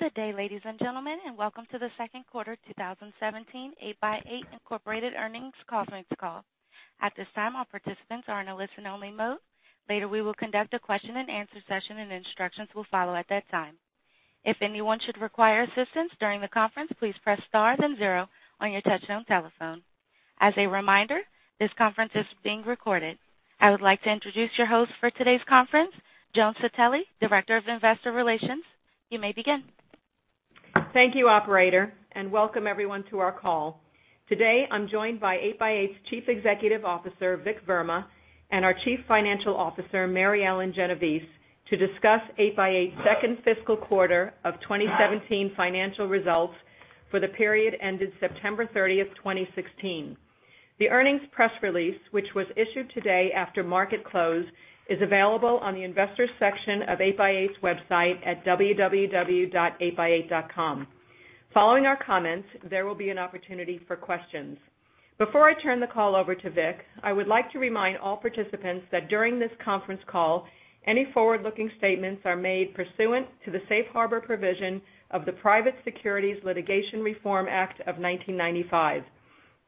Good day, ladies and gentlemen, welcome to the second quarter 2017 8x8, Inc. earnings conference call. At this time, all participants are in a listen-only mode. Later, we will conduct a question and answer session, instructions will follow at that time. If anyone should require assistance during the conference, please press star then zero on your touch-tone telephone. As a reminder, this conference is being recorded. I would like to introduce your host for today's conference, Joan Citelli, Director of Investor Relations. You may begin. Thank you, operator, welcome everyone to our call. Today, I'm joined by 8x8's Chief Executive Officer, Vik Verma, our Chief Financial Officer, Mary Ellen Genovese, to discuss 8x8's second fiscal quarter of 2017 financial results for the period ended September 30, 2016. The earnings press release, which was issued today after market close, is available on the investors section of 8x8's website at www.8x8.com. Following our comments, there will be an opportunity for questions. Before I turn the call over to Vik, I would like to remind all participants that during this conference call, any forward-looking statements are made pursuant to the safe harbor provision of the Private Securities Litigation Reform Act of 1995.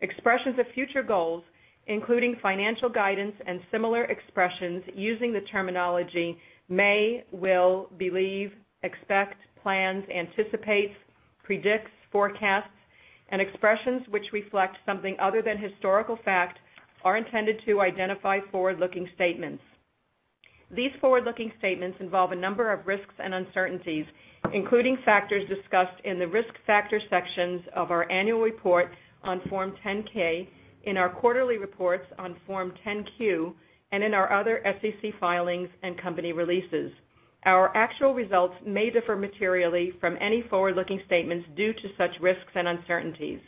Expressions of future goals, including financial guidance and similar expressions using the terminology may, will, believe, expect, plans, anticipates, predicts, forecasts, expressions which reflect something other than historical fact, are intended to identify forward-looking statements. These forward-looking statements involve a number of risks and uncertainties, including factors discussed in the Risk Factor sections of our annual report on Form 10-K, in our quarterly reports on Form 10-Q, in our other SEC filings and company releases. Our actual results may differ materially from any forward-looking statements due to such risks and uncertainties.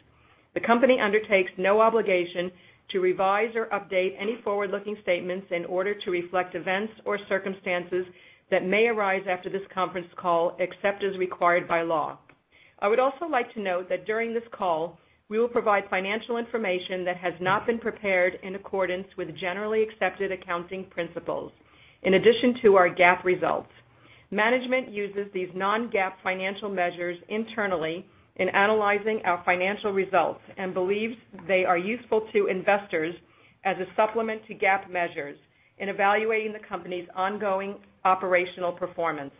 The company undertakes no obligation to revise or update any forward-looking statements in order to reflect events or circumstances that may arise after this conference call, except as required by law. I would also like to note that during this call, we will provide financial information that has not been prepared in accordance with generally accepted accounting principles, in addition to our GAAP results. Management uses these non-GAAP financial measures internally in analyzing our financial results and believes they are useful to investors as a supplement to GAAP measures in evaluating the company's ongoing operational performance.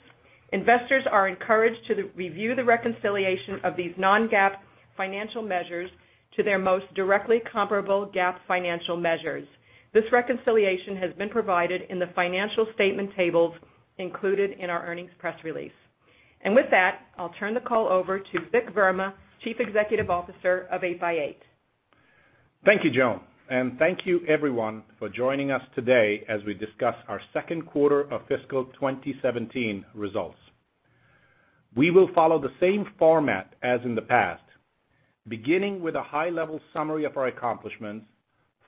Investors are encouraged to review the reconciliation of these non-GAAP financial measures to their most directly comparable GAAP financial measures. This reconciliation has been provided in the financial statement tables included in our earnings press release. With that, I'll turn the call over to Vik Verma, Chief Executive Officer of 8x8. Thank you, Joan, and thank you everyone for joining us today as we discuss our second quarter of fiscal 2017 results. We will follow the same format as in the past, beginning with a high-level summary of our accomplishments,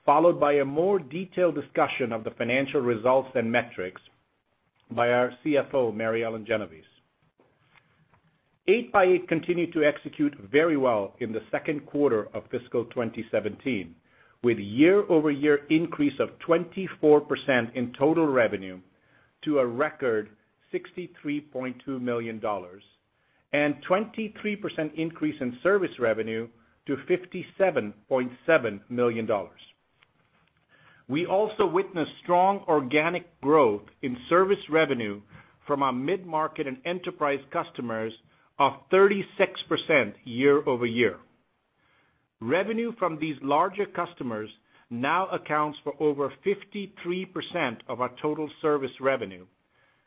followed by a more detailed discussion of the financial results and metrics by our CFO, Mary Ellen Genovese. 8x8 continued to execute very well in the second quarter of fiscal 2017, with year-over-year increase of 24% in total revenue to a record $63.2 million and 23% increase in service revenue to $57.7 million. We also witnessed strong organic growth in service revenue from our mid-market and enterprise customers of 36% year-over-year. Revenue from these larger customers now accounts for over 53% of our total service revenue,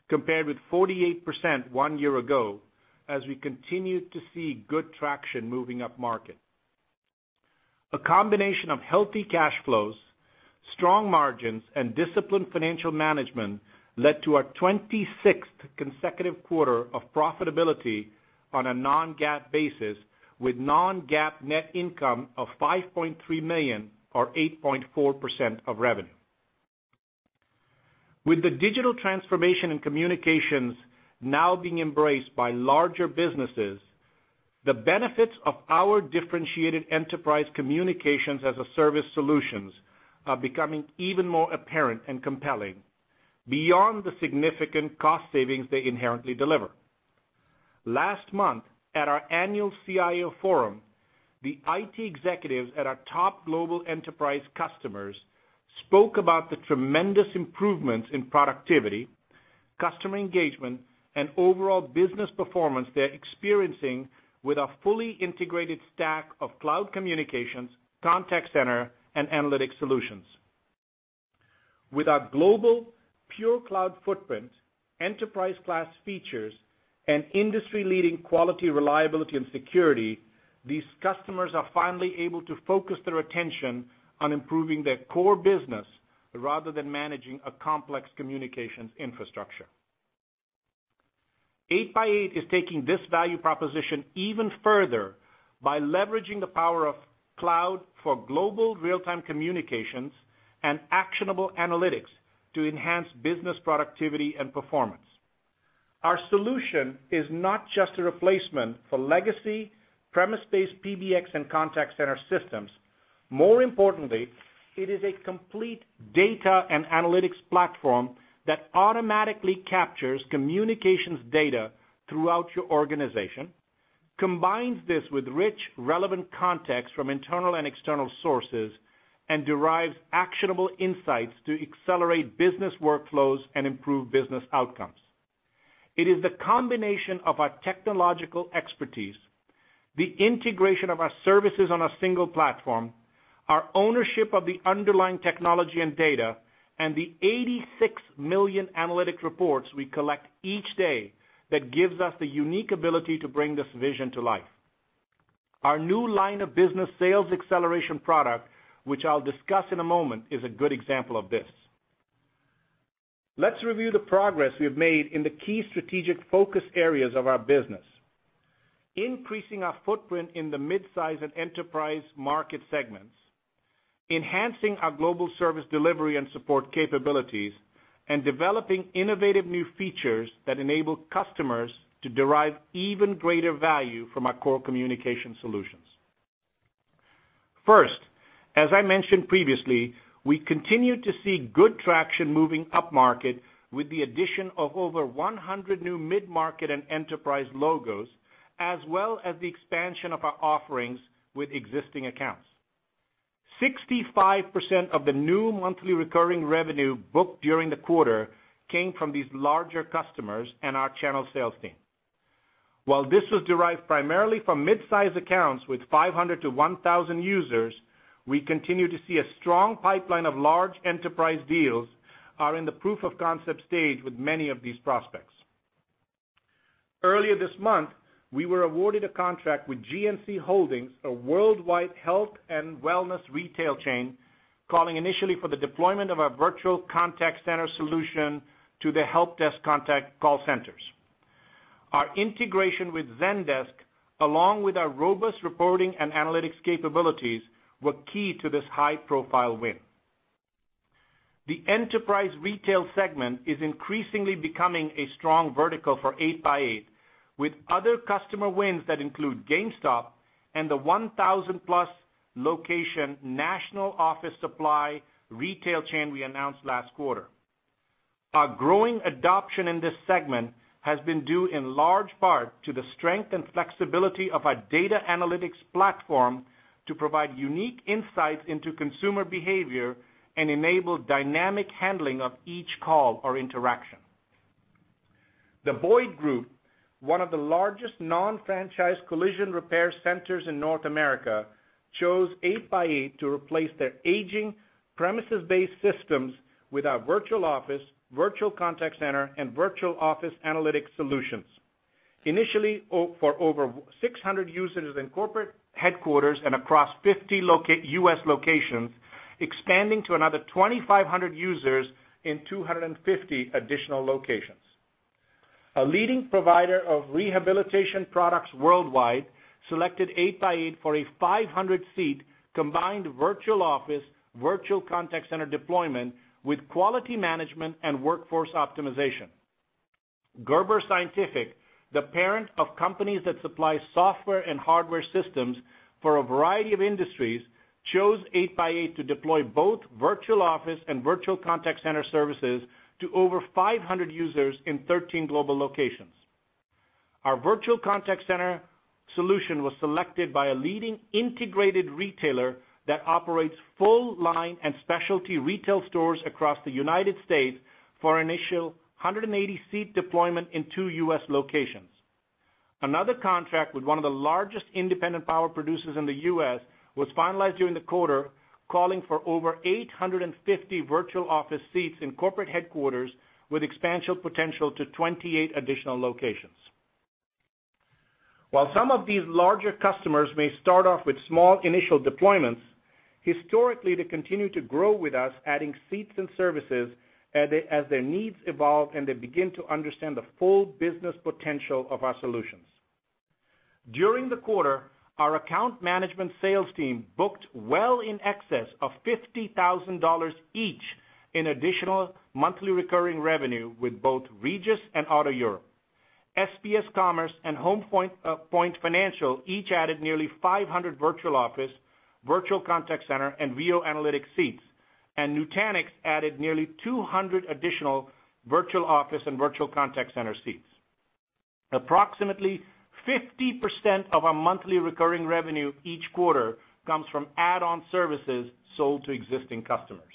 compared with 48% one year ago as we continued to see good traction moving upmarket. A combination of healthy cash flows, strong margins, and disciplined financial management led to our 26th consecutive quarter of profitability on a non-GAAP basis, with non-GAAP net income of $5.3 million or 8.4% of revenue. With the digital transformation in communications now being embraced by larger businesses, the benefits of our differentiated enterprise communications as a service solutions are becoming even more apparent and compelling beyond the significant cost savings they inherently deliver. Last month at our annual CIO Forum, the IT executives at our top global enterprise customers spoke about the tremendous improvements in productivity, customer engagement, and overall business performance they're experiencing with our fully integrated stack of cloud communications, contact center, and analytics solutions. With our global pure cloud footprint, enterprise-class features, and industry-leading quality, reliability, and security, these customers are finally able to focus their attention on improving their core business rather than managing a complex communications infrastructure. 8x8 is taking this value proposition even further by leveraging the power of cloud for global real-time communications and actionable analytics to enhance business productivity and performance. Our solution is not just a replacement for legacy premise-based PBX and contact center systems. More importantly, it is a complete data and analytics platform that automatically captures communications data throughout your organization, combines this with rich, relevant context from internal and external sources, and derives actionable insights to accelerate business workflows and improve business outcomes. It is the combination of our technological expertise, the integration of our services on a single platform, our ownership of the underlying technology and data, and the 86 million analytic reports we collect each day that gives us the unique ability to bring this vision to life. Our new line of business sales acceleration product, which I'll discuss in a moment, is a good example of this. Let's review the progress we have made in the key strategic focus areas of our business, increasing our footprint in the mid-size and enterprise market segments, enhancing our global service delivery and support capabilities, and developing innovative new features that enable customers to derive even greater value from our core communication solutions. First, as I mentioned previously, we continue to see good traction moving upmarket with the addition of over 100 new mid-market and enterprise logos, as well as the expansion of our offerings with existing accounts. 65% of the new monthly recurring revenue booked during the quarter came from these larger customers and our channel sales team. While this was derived primarily from midsize accounts with 500 to 1,000 users, we continue to see a strong pipeline of large enterprise deals are in the proof of concept stage with many of these prospects. Earlier this month, we were awarded a contract with GNC Holdings, a worldwide health and wellness retail chain, calling initially for the deployment of our Virtual Contact Center solution to the help desk contact call centers. Our integration with Zendesk, along with our robust reporting and analytics capabilities, were key to this high-profile win. The enterprise retail segment is increasingly becoming a strong vertical for 8x8, with other customer wins that include GameStop and the 1,000-plus location national office supply retail chain we announced last quarter. Our growing adoption in this segment has been due in large part to the strength and flexibility of our data analytics platform to provide unique insights into consumer behavior and enable dynamic handling of each call or interaction. The Boyd Group, one of the largest non-franchise collision repair centers in North America, chose 8x8 to replace their aging premises-based systems with our Virtual Office, Virtual Contact Center, and Virtual Office Analytics solutions. Initially, for over 600 users in corporate headquarters and across 50 U.S. locations, expanding to another 2,500 users in 250 additional locations. A leading provider of rehabilitation products worldwide selected 8x8 for a 500-seat combined Virtual Office, Virtual Contact Center deployment with quality management and workforce optimization. Gerber Scientific, the parent of companies that supply software and hardware systems for a variety of industries, chose 8x8 to deploy both Virtual Office and Virtual Contact Center services to over 500 users in 13 global locations. Our Virtual Contact Center solution was selected by a leading integrated retailer that operates full line and specialty retail stores across the United States for an initial 180-seat deployment in two U.S. locations. Another contract with one of the largest independent power producers in the U.S. was finalized during the quarter, calling for over 850 Virtual Office seats in corporate headquarters with expansion potential to 28 additional locations. While some of these larger customers may start off with small initial deployments, historically, they continue to grow with us, adding seats and services as their needs evolve and they begin to understand the full business potential of our solutions. During the quarter, our account management sales team booked well in excess of $50,000 each in additional monthly recurring revenue with both Regus and Auto Europe. SPS Commerce and Home Point Financial each added nearly 500 Virtual Office, Virtual Contact Center, and VO Analytics seats, and Nutanix added nearly 200 additional Virtual Office and Virtual Contact Center seats. Approximately 50% of our monthly recurring revenue each quarter comes from add-on services sold to existing customers.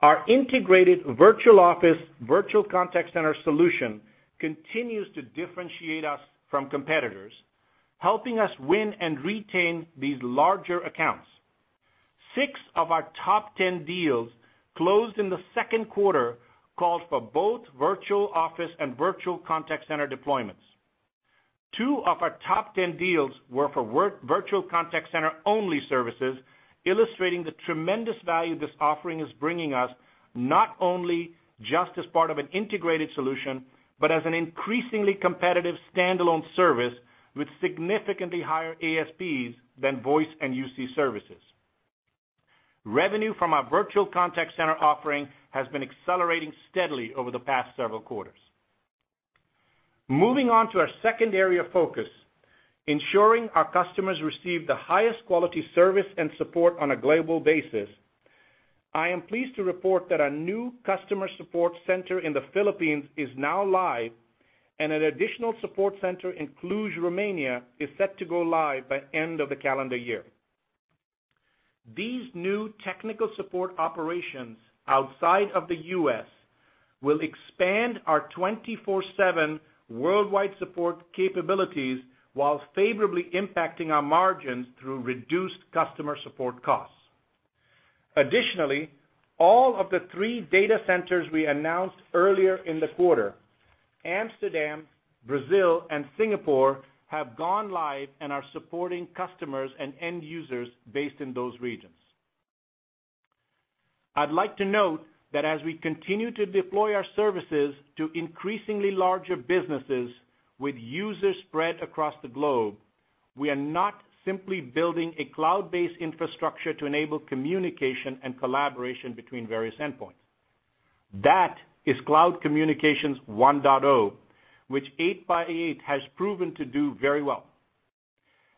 Our integrated Virtual Office, Virtual Contact Center solution continues to differentiate us from competitors, helping us win and retain these larger accounts. 6 of our top 10 deals closed in the second quarter called for both Virtual Office and Virtual Contact Center deployments. 2 of our top 10 deals were for Virtual Contact Center-only services, illustrating the tremendous value this offering is bringing us, not only just as part of an integrated solution, but as an increasingly competitive standalone service with significantly higher ASPs than voice and UC services. Revenue from our Virtual Contact Center offering has been accelerating steadily over the past several quarters. Moving on to our second area of focus, ensuring our customers receive the highest quality service and support on a global basis. I am pleased to report that our new customer support center in the Philippines is now live, and an additional support center in Cluj, Romania is set to go live by end of the calendar year. These new technical support operations outside of the U.S. will expand our 24/7 worldwide support capabilities while favorably impacting our margins through reduced customer support costs. Additionally, all of the 3 data centers we announced earlier in the quarter, Amsterdam, Brazil, and Singapore, have gone live and are supporting customers and end users based in those regions. I'd like to note that as we continue to deploy our services to increasingly larger businesses with users spread across the globe, we are not simply building a cloud-based infrastructure to enable communication and collaboration between various endpoints. That is cloud communications 1.0, which 8x8 has proven to do very well.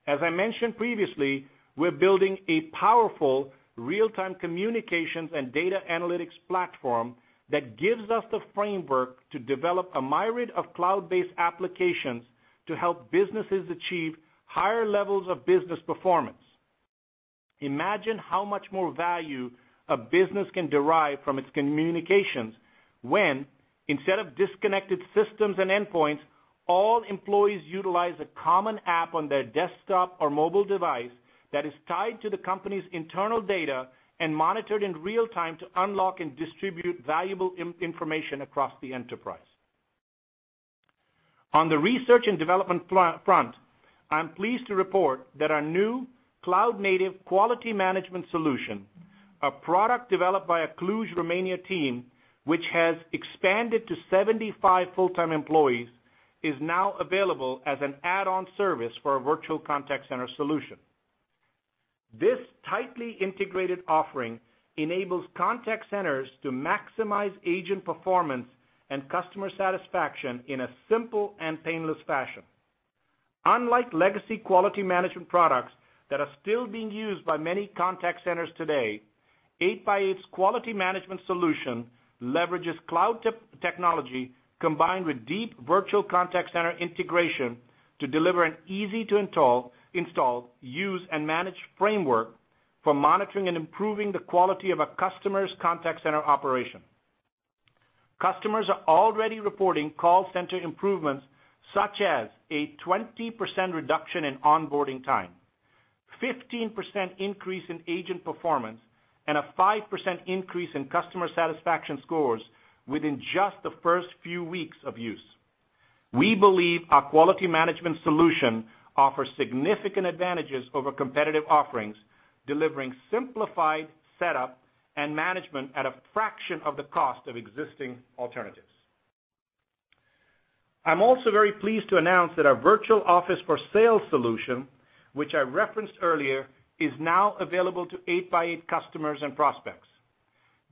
As I mentioned previously, we're building a powerful real-time communications and data analytics platform that gives us the framework to develop a myriad of cloud-based applications to help businesses achieve higher levels of business performance. Imagine how much more value a business can derive from its communications when, instead of disconnected systems and endpoints, all employees utilize a common app on their desktop or mobile device that is tied to the company's internal data and monitored in real time to unlock and distribute valuable information across the enterprise. On the research and development front, I'm pleased to report that our new cloud-native quality management solution, a product developed by a Cluj, Romania team, which has expanded to 75 full-time employees, is now available as an add-on service for our Virtual Contact Center solution. This tightly integrated offering enables contact centers to maximize agent performance and customer satisfaction in a simple and painless fashion. Unlike legacy quality management products that are still being used by many contact centers today, 8x8's quality management solution leverages cloud technology combined with deep Virtual Contact Center integration to deliver an easy-to-install, use, and manage framework for monitoring and improving the quality of a customer's contact center operation. Customers are already reporting call center improvements such as a 20% reduction in onboarding time, 15% increase in agent performance, and a 5% increase in customer satisfaction scores within just the first few weeks of use. We believe our quality management solution offers significant advantages over competitive offerings, delivering simplified setup and management at a fraction of the cost of existing alternatives. I'm also very pleased to announce that our Virtual Office for Salesforce solution, which I referenced earlier, is now available to 8x8 customers and prospects.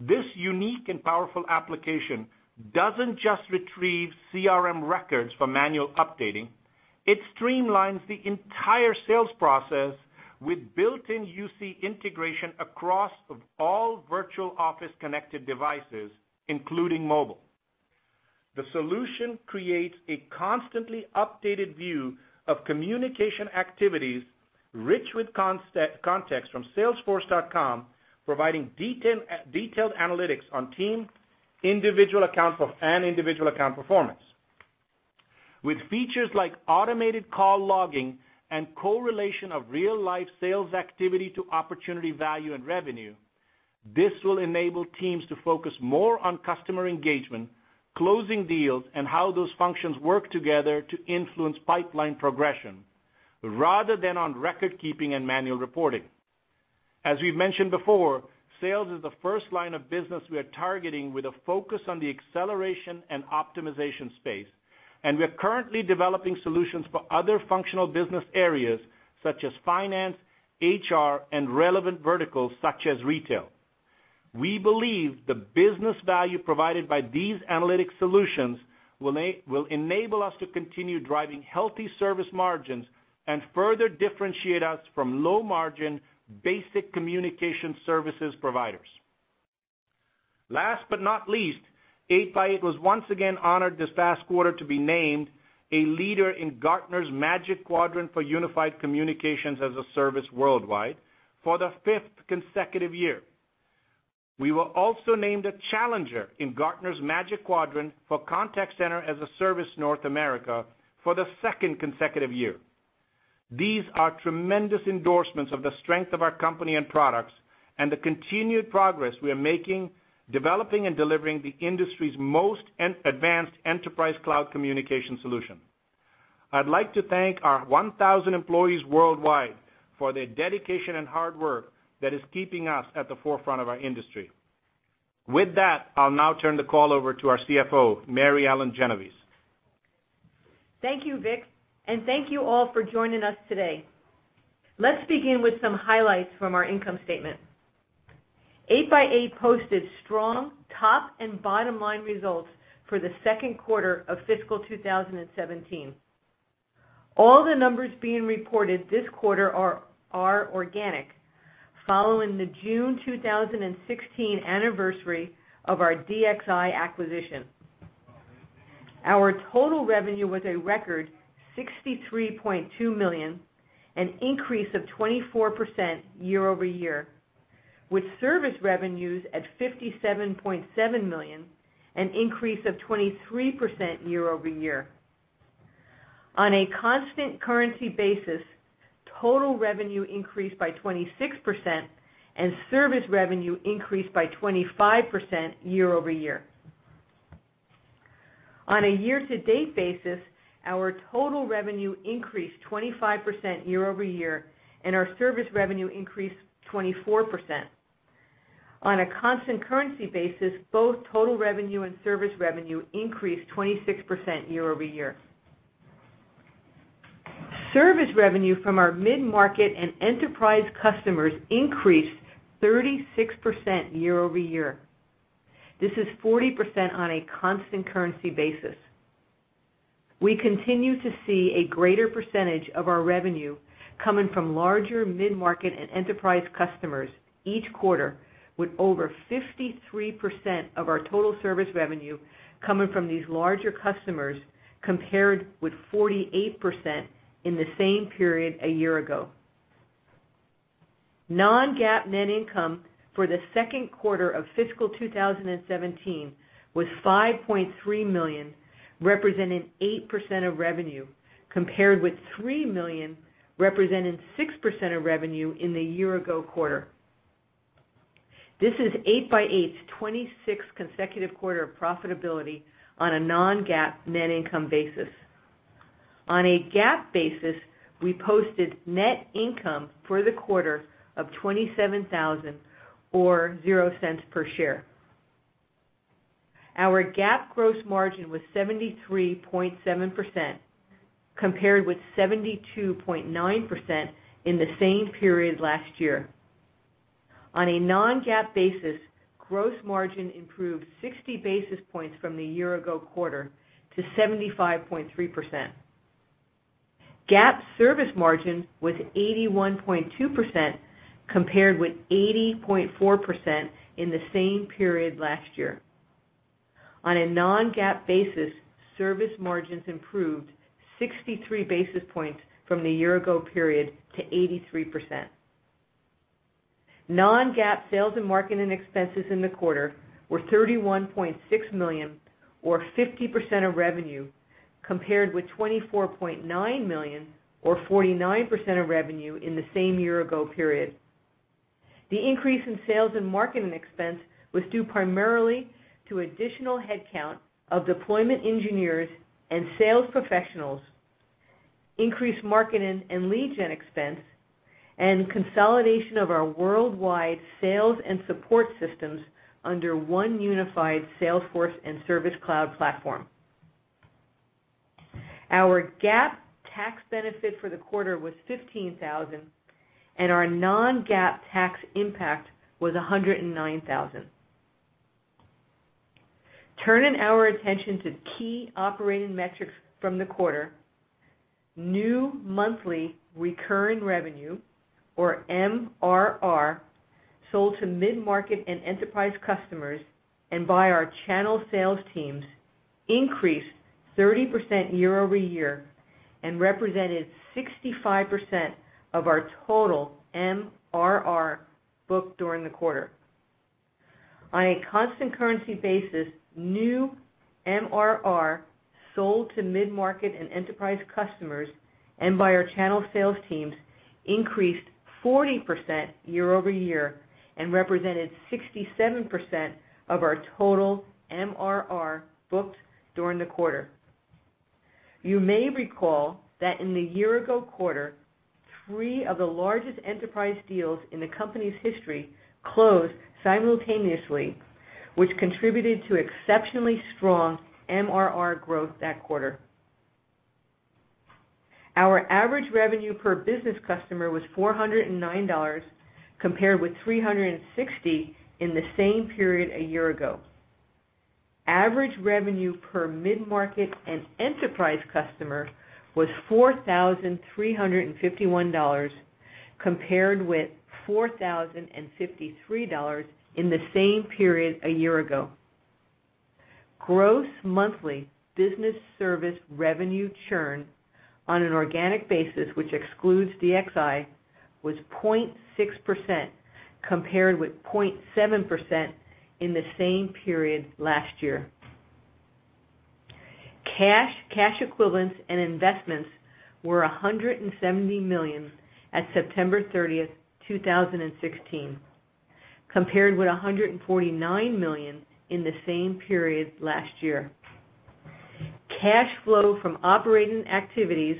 This unique and powerful application doesn't just retrieve CRM records for manual updating. It streamlines the entire sales process with built-in UC integration across all Virtual Office-connected devices, including mobile. The solution creates a constantly dated view of communication activities rich with context from Salesforce, providing detailed analytics on team, individual accounts, and individual account performance. With features like automated call logging and correlation of real-life sales activity to opportunity value and revenue, this will enable teams to focus more on customer engagement, closing deals, and how those functions work together to influence pipeline progression rather than on recordkeeping and manual reporting. As we've mentioned before, sales is the first line of business we are targeting with a focus on the acceleration and optimization space, and we are currently developing solutions for other functional business areas such as finance, HR, and relevant verticals such as retail. We believe the business value provided by these analytic solutions will enable us to continue driving healthy service margins and further differentiate us from low-margin basic communication services providers. Last but not least, 8x8 was once again honored this past quarter to be named a leader in Gartner's Magic Quadrant for Unified Communications as a Service worldwide for the fifth consecutive year. We were also named a challenger in Gartner's Magic Quadrant for Contact Center as a Service North America for the second consecutive year. These are tremendous endorsements of the strength of our company and products and the continued progress we are making, developing, and delivering the industry's most advanced enterprise cloud communication solution. I'd like to thank our 1,000 employees worldwide for their dedication and hard work that is keeping us at the forefront of our industry. With that, I'll now turn the call over to our CFO, Mary Ellen Genovese. Thank you, Vik, and thank you all for joining us today. Let's begin with some highlights from our income statement. 8x8 posted strong top and bottom line results for the second quarter of fiscal 2017. All the numbers being reported this quarter are organic, following the June 2016 anniversary of our DXI acquisition. Our total revenue was a record $63.2 million, an increase of 24% year-over-year, with service revenues at $57.7 million, an increase of 23% year-over-year. On a constant currency basis, total revenue increased by 26% and service revenue increased by 25% year-over-year. On a year-to-date basis, our total revenue increased 25% year-over-year, and our service revenue increased 24%. On a constant currency basis, both total revenue and service revenue increased 26% year-over-year. Service revenue from our mid-market and enterprise customers increased 36% year-over-year. This is 40% on a constant currency basis. We continue to see a greater percentage of our revenue coming from larger mid-market and enterprise customers each quarter, with over 53% of our total service revenue coming from these larger customers, compared with 48% in the same period a year ago. Non-GAAP net income for the second quarter of fiscal 2017 was $5.3 million, representing 8% of revenue, compared with $3 million, representing 6% of revenue in the year-ago quarter. This is 8x8's 26th consecutive quarter of profitability on a non-GAAP net income basis. On a GAAP basis, we posted net income for the quarter of $27,000, or $0.00 per share. Our GAAP gross margin was 73.7%, compared with 72.9% in the same period last year. On a non-GAAP basis, gross margin improved 60 basis points from the year-ago quarter to 75.3%. GAAP service margin was 81.2%, compared with 80.4% in the same period last year. On a non-GAAP basis, service margins improved 63 basis points from the year-ago period to 83%. Non-GAAP sales and marketing expenses in the quarter were $31.6 million, or 50% of revenue, compared with $24.9 million or 49% of revenue in the same year-ago period. The increase in sales and marketing expense was due primarily to additional headcount of deployment engineers and sales professionals, increased marketing and lead gen expense, and consolidation of our worldwide sales and support systems under one unified Salesforce and Service Cloud platform. Our GAAP tax benefit for the quarter was $15,000, and our non-GAAP tax impact was $109,000. Turning our attention to key operating metrics from the quarter. New monthly recurring revenue, or MRR, sold to mid-market and enterprise customers and by our channel sales teams increased 30% year-over-year and represented 65% of our total MRR booked during the quarter. On a constant currency basis, new MRR sold to mid-market and enterprise customers and by our channel sales teams increased 40% year-over-year and represented 67% of our total MRR booked during the quarter. You may recall that in the year-ago quarter, three of the largest enterprise deals in the company's history closed simultaneously, which contributed to exceptionally strong MRR growth that quarter. Our average revenue per business customer was $409, compared with $360 in the same period a year ago. Average revenue per mid-market and enterprise customer was $4,351, compared with $4,053 in the same period a year ago. Gross monthly business service revenue churn on an organic basis, which excludes DXI, was 0.6%, compared with 0.7% in the same period last year. Cash, cash equivalents and investments were $170 million at September 30th, 2016, compared with $149 million in the same period last year. Cash flow from operating activities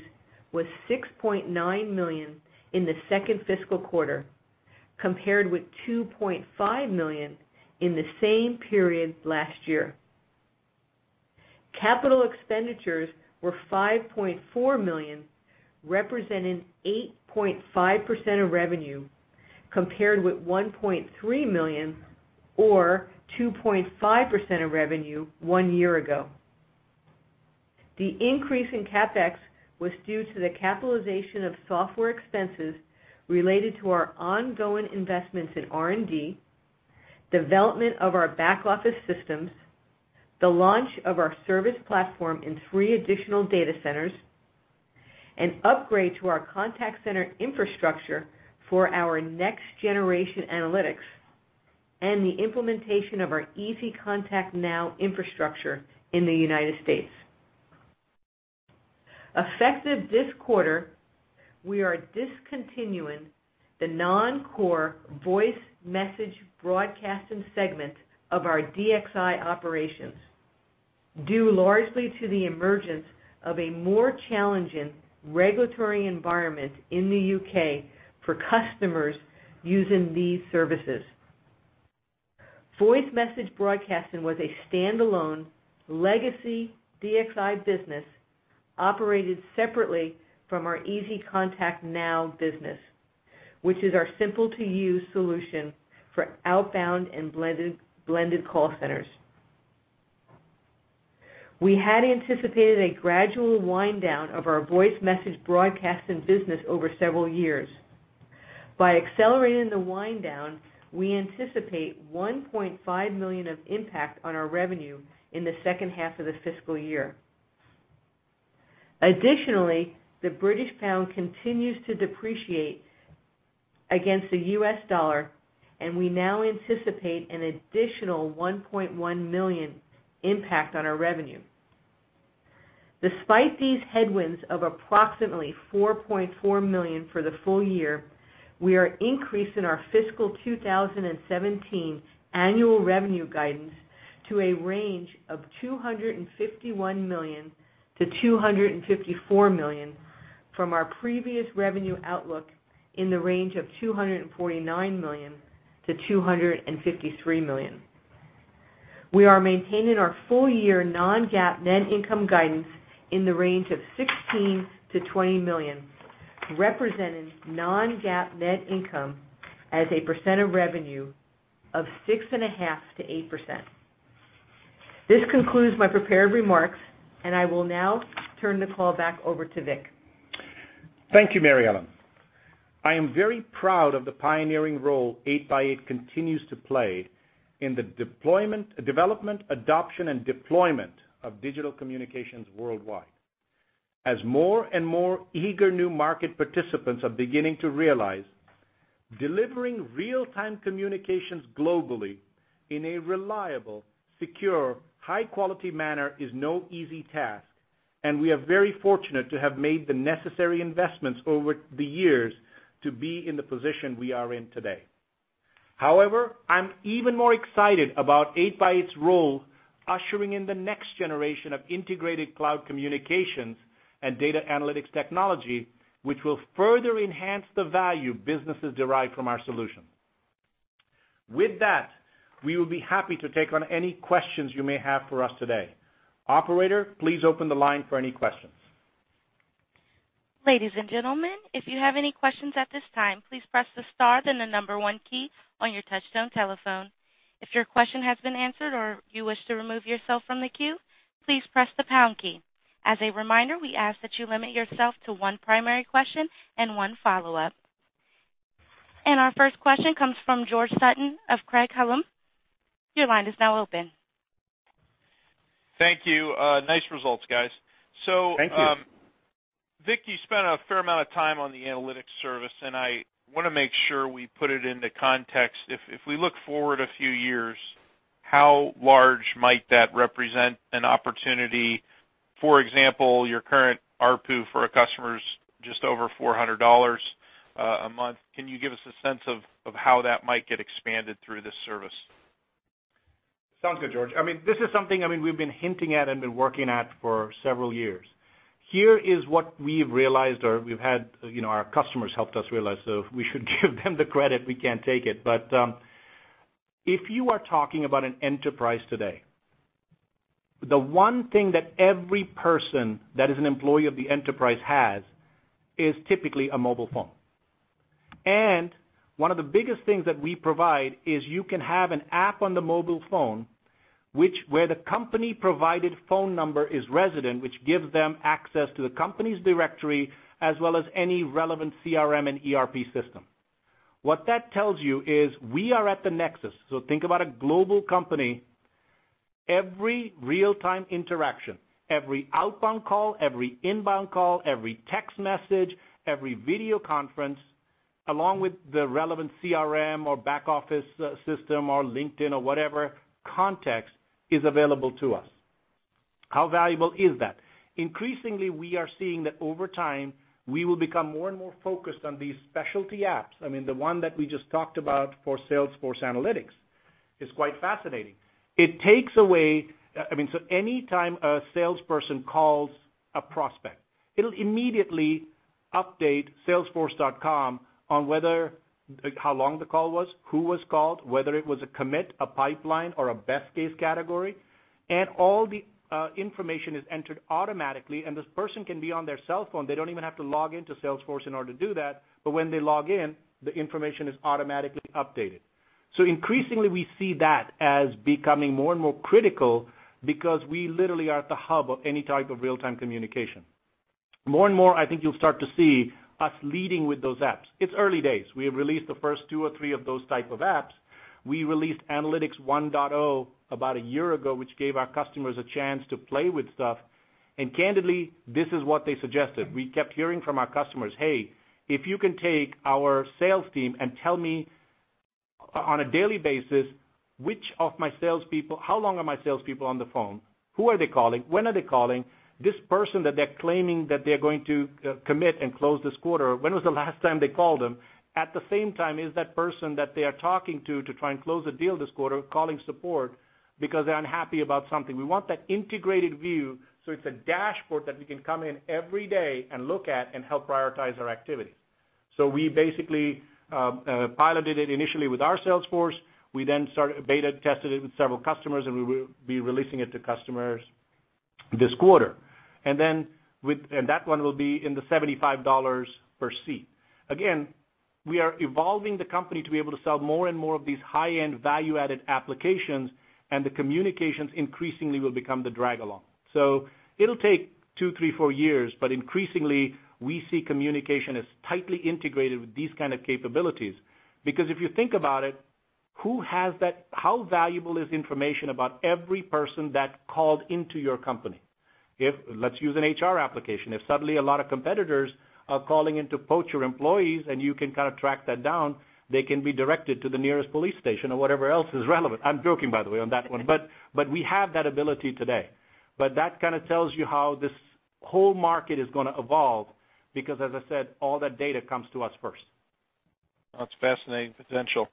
was $6.9 million in the second fiscal quarter, compared with $2.5 million in the same period last year. Capital expenditures were $5.4 million, representing 8.5% of revenue, compared with $1.3 million or 2.5% of revenue one year ago. The increase in CapEx was due to the capitalization of software expenses related to our ongoing investments in R&D, development of our back-office systems, the launch of our service platform in three additional data centers, an upgrade to our contact center infrastructure for our next-generation analytics, and the implementation of our ContactNow infrastructure in the United States. Effective this quarter, we are discontinuing the non-core voice message broadcasting segment of our DXI operations due largely to the emergence of a more challenging regulatory environment in the U.K. for customers using these services. Voice message broadcasting was a standalone legacy DXI business operated separately from our ContactNow business, which is our simple-to-use solution for outbound and blended call centers. We had anticipated a gradual wind-down of our voice message broadcasting business over several years. By accelerating the wind-down, we anticipate $1.5 million of impact on our revenue in the second half of the fiscal year. Additionally, the British pound continues to depreciate against the US dollar, and we now anticipate an additional $1.1 million impact on our revenue. Despite these headwinds of approximately $4.4 million for the full year, we are increasing our FY 2017 annual revenue guidance to a range of $251 million-$254 million from our previous revenue outlook in the range of $249 million-$253 million. We are maintaining our full-year non-GAAP net income guidance in the range of $16 million-$20 million, representing non-GAAP net income as a percent of revenue of 6.5%-8%. This concludes my prepared remarks, and I will now turn the call back over to Vik. Thank you, Mary Ellen. I am very proud of the pioneering role 8x8 continues to play in the development, adoption, and deployment of digital communications worldwide. As more and more eager new market participants are beginning to realize, delivering real-time communications globally in a reliable, secure, high-quality manner is no easy task, and we are very fortunate to have made the necessary investments over the years to be in the position we are in today. I am even more excited about 8x8's role ushering in the next generation of integrated cloud communications and data analytics technology, which will further enhance the value businesses derive from our solution. We will be happy to take on any questions you may have for us today. Operator, please open the line for any questions. Ladies and gentlemen, if you have any questions at this time, please press the star then the 1 key on your touchtone telephone. If your question has been answered or you wish to remove yourself from the queue, please press the pound key. As a reminder, we ask that you limit yourself to one primary question and one follow-up. Our first question comes from George Sutton of Craig-Hallum. Your line is now open. Thank you. Nice results, guys. Thank you. Vik, you spent a fair amount of time on the analytics service, and I want to make sure we put it into context. If we look forward a few years, how large might that represent an opportunity? For example, your current ARPU for a customer is just over $400 a month. Can you give us a sense of how that might get expanded through this service? Sounds good, George. This is something we've been hinting at and been working at for several years. Here is what we've realized, or our customers helped us realize. We should give them the credit. We can't take it. If you are talking about an enterprise today, the one thing that every person that is an employee of the enterprise has is typically a mobile phone. One of the biggest things that we provide is you can have an app on the mobile phone, where the company-provided phone number is resident, which gives them access to the company's directory as well as any relevant CRM and ERP system. What that tells you is we are at the nexus. Think about a global company, every real-time interaction, every outbound call, every inbound call, every text message, every video conference, along with the relevant CRM or back-office system or LinkedIn or whatever context is available to us. How valuable is that? Increasingly, we are seeing that over time, we will become more and more focused on these specialty apps. The one that we just talked about for Salesforce analytics is quite fascinating. Any time a salesperson calls a prospect, it'll immediately update salesforce.com on how long the call was, who was called, whether it was a commit, a pipeline, or a best-case category, and all the information is entered automatically. This person can be on their cell phone. They don't even have to log into Salesforce in order to do that. When they log in, the information is automatically updated. Increasingly, we see that as becoming more and more critical because we literally are at the hub of any type of real-time communication. More and more, I think you'll start to see us leading with those apps. It's early days. We have released the first 2 or 3 of those type of apps. We released Analytics 1.0 about a year ago, which gave our customers a chance to play with stuff. Candidly, this is what they suggested. We kept hearing from our customers, "Hey, if you can take our sales team and tell me on a daily basis, how long are my salespeople on the phone? Who are they calling? When are they calling this person that they're claiming that they're going to commit and close this quarter? When was the last time they called them?" At the same time, is that person that they are talking to try and close a deal this quarter, calling support because they're unhappy about something? We want that integrated view, so it's a dashboard that we can come in every day and look at and help prioritize our activities. We basically piloted it initially with our salesforce. We then beta tested it with several customers, and we will be releasing it to customers this quarter. That one will be in the $75 per seat. Again, we are evolving the company to be able to sell more and more of these high-end, value-added applications, and the communications increasingly will become the drag along. It'll take two, three, four years, but increasingly, we see communication as tightly integrated with these kind of capabilities. If you think about it, how valuable is information about every person that called into your company? Let's use an HR application. If suddenly a lot of competitors are calling in to poach your employees and you can kind of track that down, they can be directed to the nearest police station or whatever else is relevant. I'm joking, by the way, on that one, but we have that ability today. That kind of tells you how this whole market is going to evolve, because as I said, all that data comes to us first. That's fascinating potential.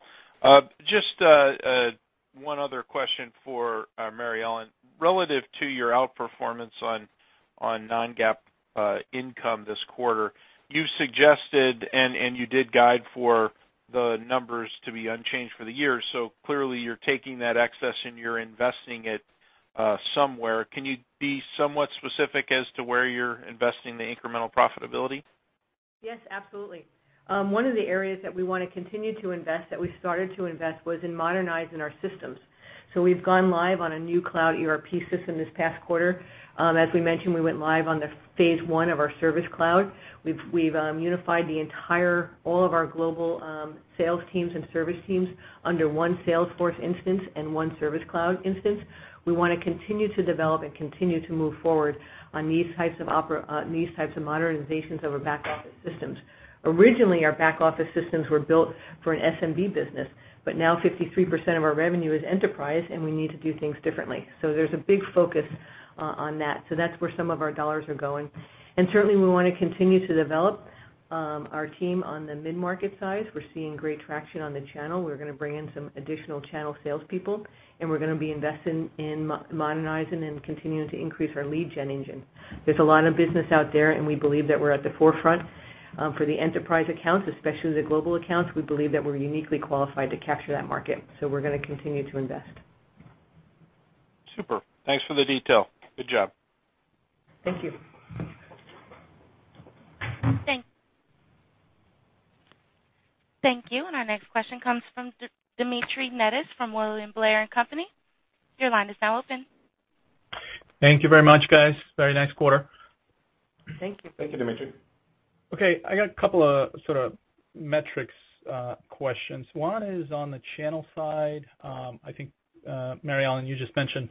Just one other question for Mary Ellen. Relative to your outperformance on non-GAAP income this quarter, you suggested, and you did guide for the numbers to be unchanged for the year. Clearly you're taking that excess and you're investing it somewhere. Can you be somewhat specific as to where you're investing the incremental profitability? Yes, absolutely. One of the areas that we want to continue to invest, that we started to invest, was in modernizing our systems. We've gone live on a new cloud ERP system this past quarter. As we mentioned, we went live on the phase 1 of our Service Cloud. We've unified all of our global sales teams and service teams under one Salesforce instance and one Service Cloud instance. We want to continue to develop and continue to move forward on these types of modernizations of our back-office systems. Originally, our back-office systems were built for an SMB business, now 53% of our revenue is enterprise, and we need to do things differently. There's a big focus on that. That's where some of our dollars are going. Certainly, we want to continue to develop our team on the mid-market side. We're seeing great traction on the channel. We're going to bring in some additional channel salespeople, we're going to be investing in modernizing and continuing to increase our lead gen engine. There's a lot of business out there, we believe that we're at the forefront for the enterprise accounts, especially the global accounts. We believe that we're uniquely qualified to capture that market, we're going to continue to invest. Super. Thanks for the detail. Good job. Thank you. Thank you. Our next question comes from Dmitry Netis from William Blair & Company. Your line is now open. Thank you very much, guys. Very nice quarter. Thank you. Thank you, Dmitry. Okay. I got a couple of sort of metrics questions. One is on the channel side. I think, Mary Ellen, you just mentioned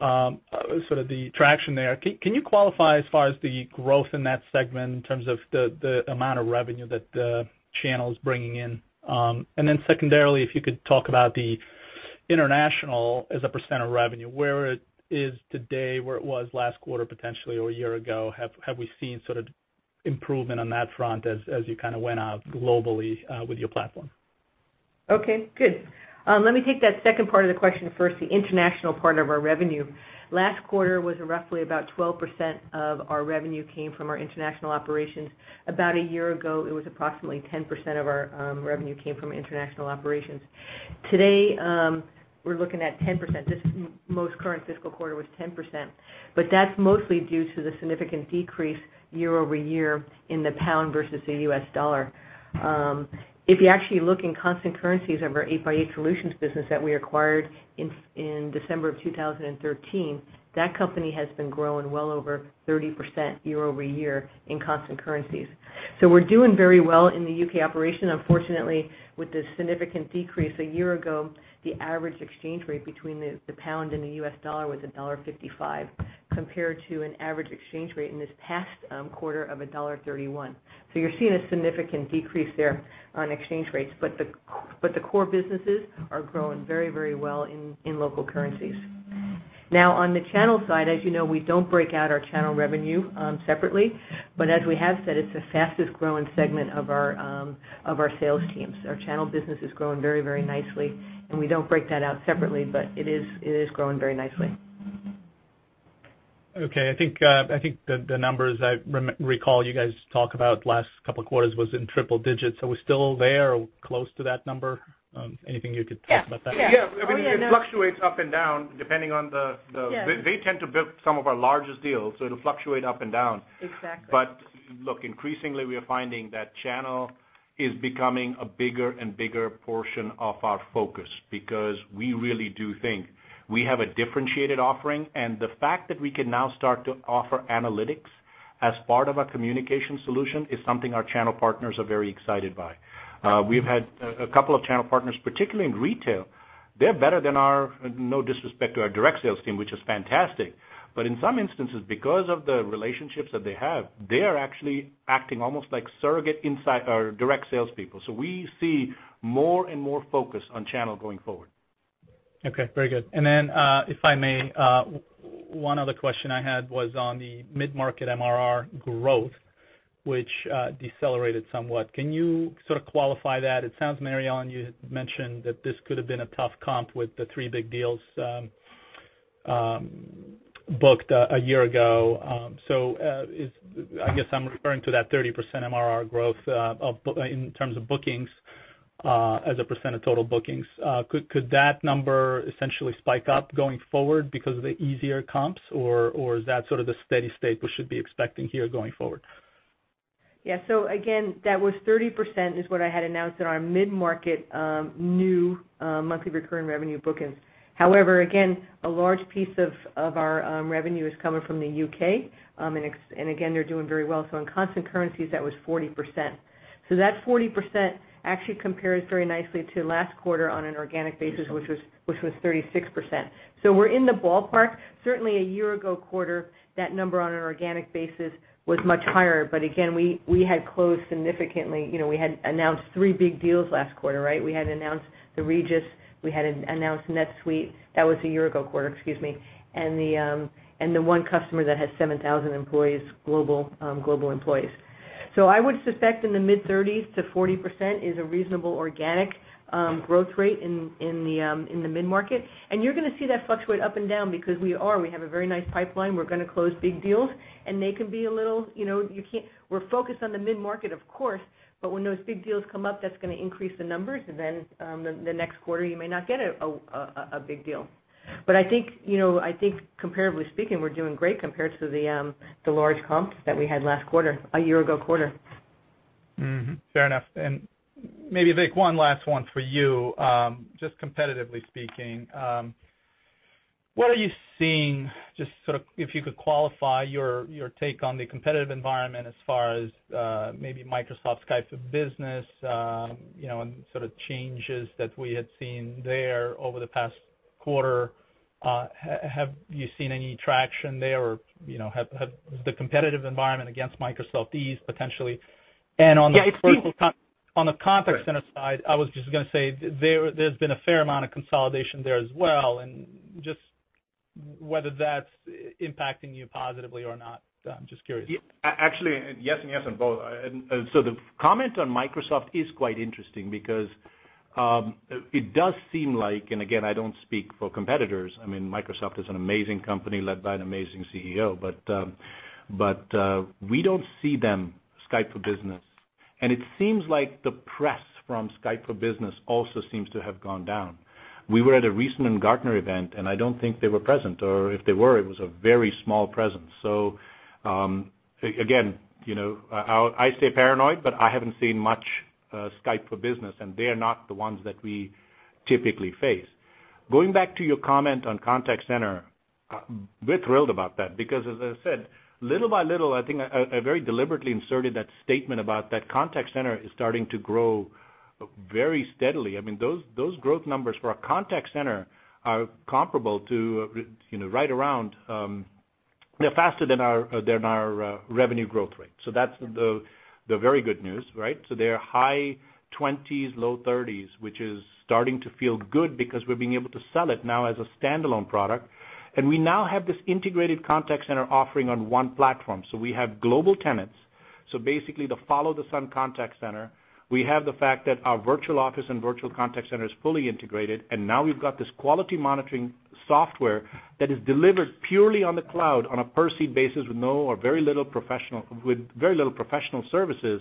sort of the traction there. Can you qualify as far as the growth in that segment in terms of the amount of revenue that the channel is bringing in? Then secondarily, if you could talk about the international as a % of revenue, where it is today, where it was last quarter potentially, or a year ago. Have we seen sort of improvement on that front as you kind of went out globally with your platform? Okay, good. Let me take that second part of the question first, the international part of our revenue. Last quarter was roughly about 12% of our revenue came from our international operations. About a year ago, it was approximately 10% of our revenue came from international operations. Today, we're looking at 10%. This most current fiscal quarter was 10%, but that's mostly due to the significant decrease year-over-year in the GBP versus the USD. If you actually look in constant currencies of our 8x8 solutions business that we acquired in December of 2013, that company has been growing well over 30% year-over-year in constant currencies. We're doing very well in the U.K. operation. Unfortunately, with the significant decrease a year ago, the average exchange rate between the GBP and the USD was $1.55, compared to an average exchange rate in this past quarter of $1.31. You're seeing a significant decrease there on exchange rates, but the core businesses are growing very well in local currencies. Now, on the channel side, as you know, we don't break out our channel revenue separately, but as we have said, it's the fastest-growing segment of our sales teams. Our channel business is growing very nicely, and we don't break that out separately, but it is growing very nicely. Okay. I think the numbers I recall you guys talk about last couple of quarters was in triple digits. Are we still there or close to that number? Anything you could talk about that? Yes. Yeah. I mean, it fluctuates up and down depending on the- Yes. It'll fluctuate up and down. Exactly. Look, increasingly, we are finding that channel is becoming a bigger and bigger portion of our focus because we really do think we have a differentiated offering, and the fact that we can now start to offer analytics as part of our communication solution is something our channel partners are very excited by. We've had a couple of channel partners, particularly in retail. They're better than our, no disrespect to our direct sales team, which is fantastic. In some instances, because of the relationships that they have, they are actually acting almost like surrogate inside our direct salespeople. We see more and more focus on channel going forward. Okay. Very good. If I may, one other question I had was on the mid-market MRR growth, which decelerated somewhat. Can you sort of qualify that? It sounds, Mary Ellen, you had mentioned that this could have been a tough comp with the three big deals booked a year ago. I guess I'm referring to that 30% MRR growth in terms of bookings as a percent of total bookings. Could that number essentially spike up going forward because of the easier comps, or is that sort of the steady state we should be expecting here going forward? Yeah. Again, that was 30% is what I had announced in our mid-market, new monthly recurring revenue bookings. However, again, a large piece of our revenue is coming from the U.K., and again, they're doing very well. In constant currencies, that was 40%. That 40% actually compares very nicely to last quarter on an organic basis, which was 36%. We're in the ballpark. Certainly a year ago quarter, that number on an organic basis was much higher. Again, we had closed significantly. We had announced three big deals last quarter, right? We had announced the Regus, we had announced NetSuite. That was a year ago quarter, excuse me. And the one customer that has 7,000 global employees. I would suspect in the mid-30s to 40% is a reasonable organic growth rate in the mid-market. You're going to see that fluctuate up and down because we have a very nice pipeline. We're going to close big deals. We're focused on the mid-market of course, but when those big deals come up, that's going to increase the numbers. The next quarter, you may not get a big deal. I think comparably speaking, we're doing great compared to the large comps that we had a year ago quarter. Fair enough. Maybe, Vik, one last one for you. Just competitively speaking, what are you seeing, just sort of if you could qualify your take on the competitive environment as far as maybe Microsoft Skype for Business, and sort of changes that we had seen there over the past quarter. Have you seen any traction there, or has the competitive environment against Microsoft eased potentially? Yeah. On the contact center side, I was just going to say, there's been a fair amount of consolidation there as well, just whether that's impacting you positively or not. I'm just curious. Actually, yes and yes on both. The comment on Microsoft is quite interesting because it does seem like, and again, I don't speak for competitors. I mean, Microsoft is an amazing company led by an amazing CEO. We don't see them, Skype for Business. It seems like the press from Skype for Business also seems to have gone down. We were at a recent Gartner event, and I don't think they were present, or if they were, it was a very small presence. Again, I stay paranoid, but I haven't seen much Skype for Business, and they are not the ones that we typically face. Going back to your comment on contact center, we're thrilled about that because, as I said, little by little, I think I very deliberately inserted that statement about that contact center is starting to grow very steadily. I mean, those growth numbers for our contact center are faster than our revenue growth rate. That's the very good news, right? They're high 20s, low 30s, which is starting to feel good because we're being able to sell it now as a standalone product. We now have this integrated contact center offering on one platform. We have global tenants, so basically the follow the sun contact center. We have the fact that our Virtual Office and Virtual Contact Center is fully integrated, and now we've got this quality monitoring software that is delivered purely on the cloud on a per-seat basis with no or very little professional services.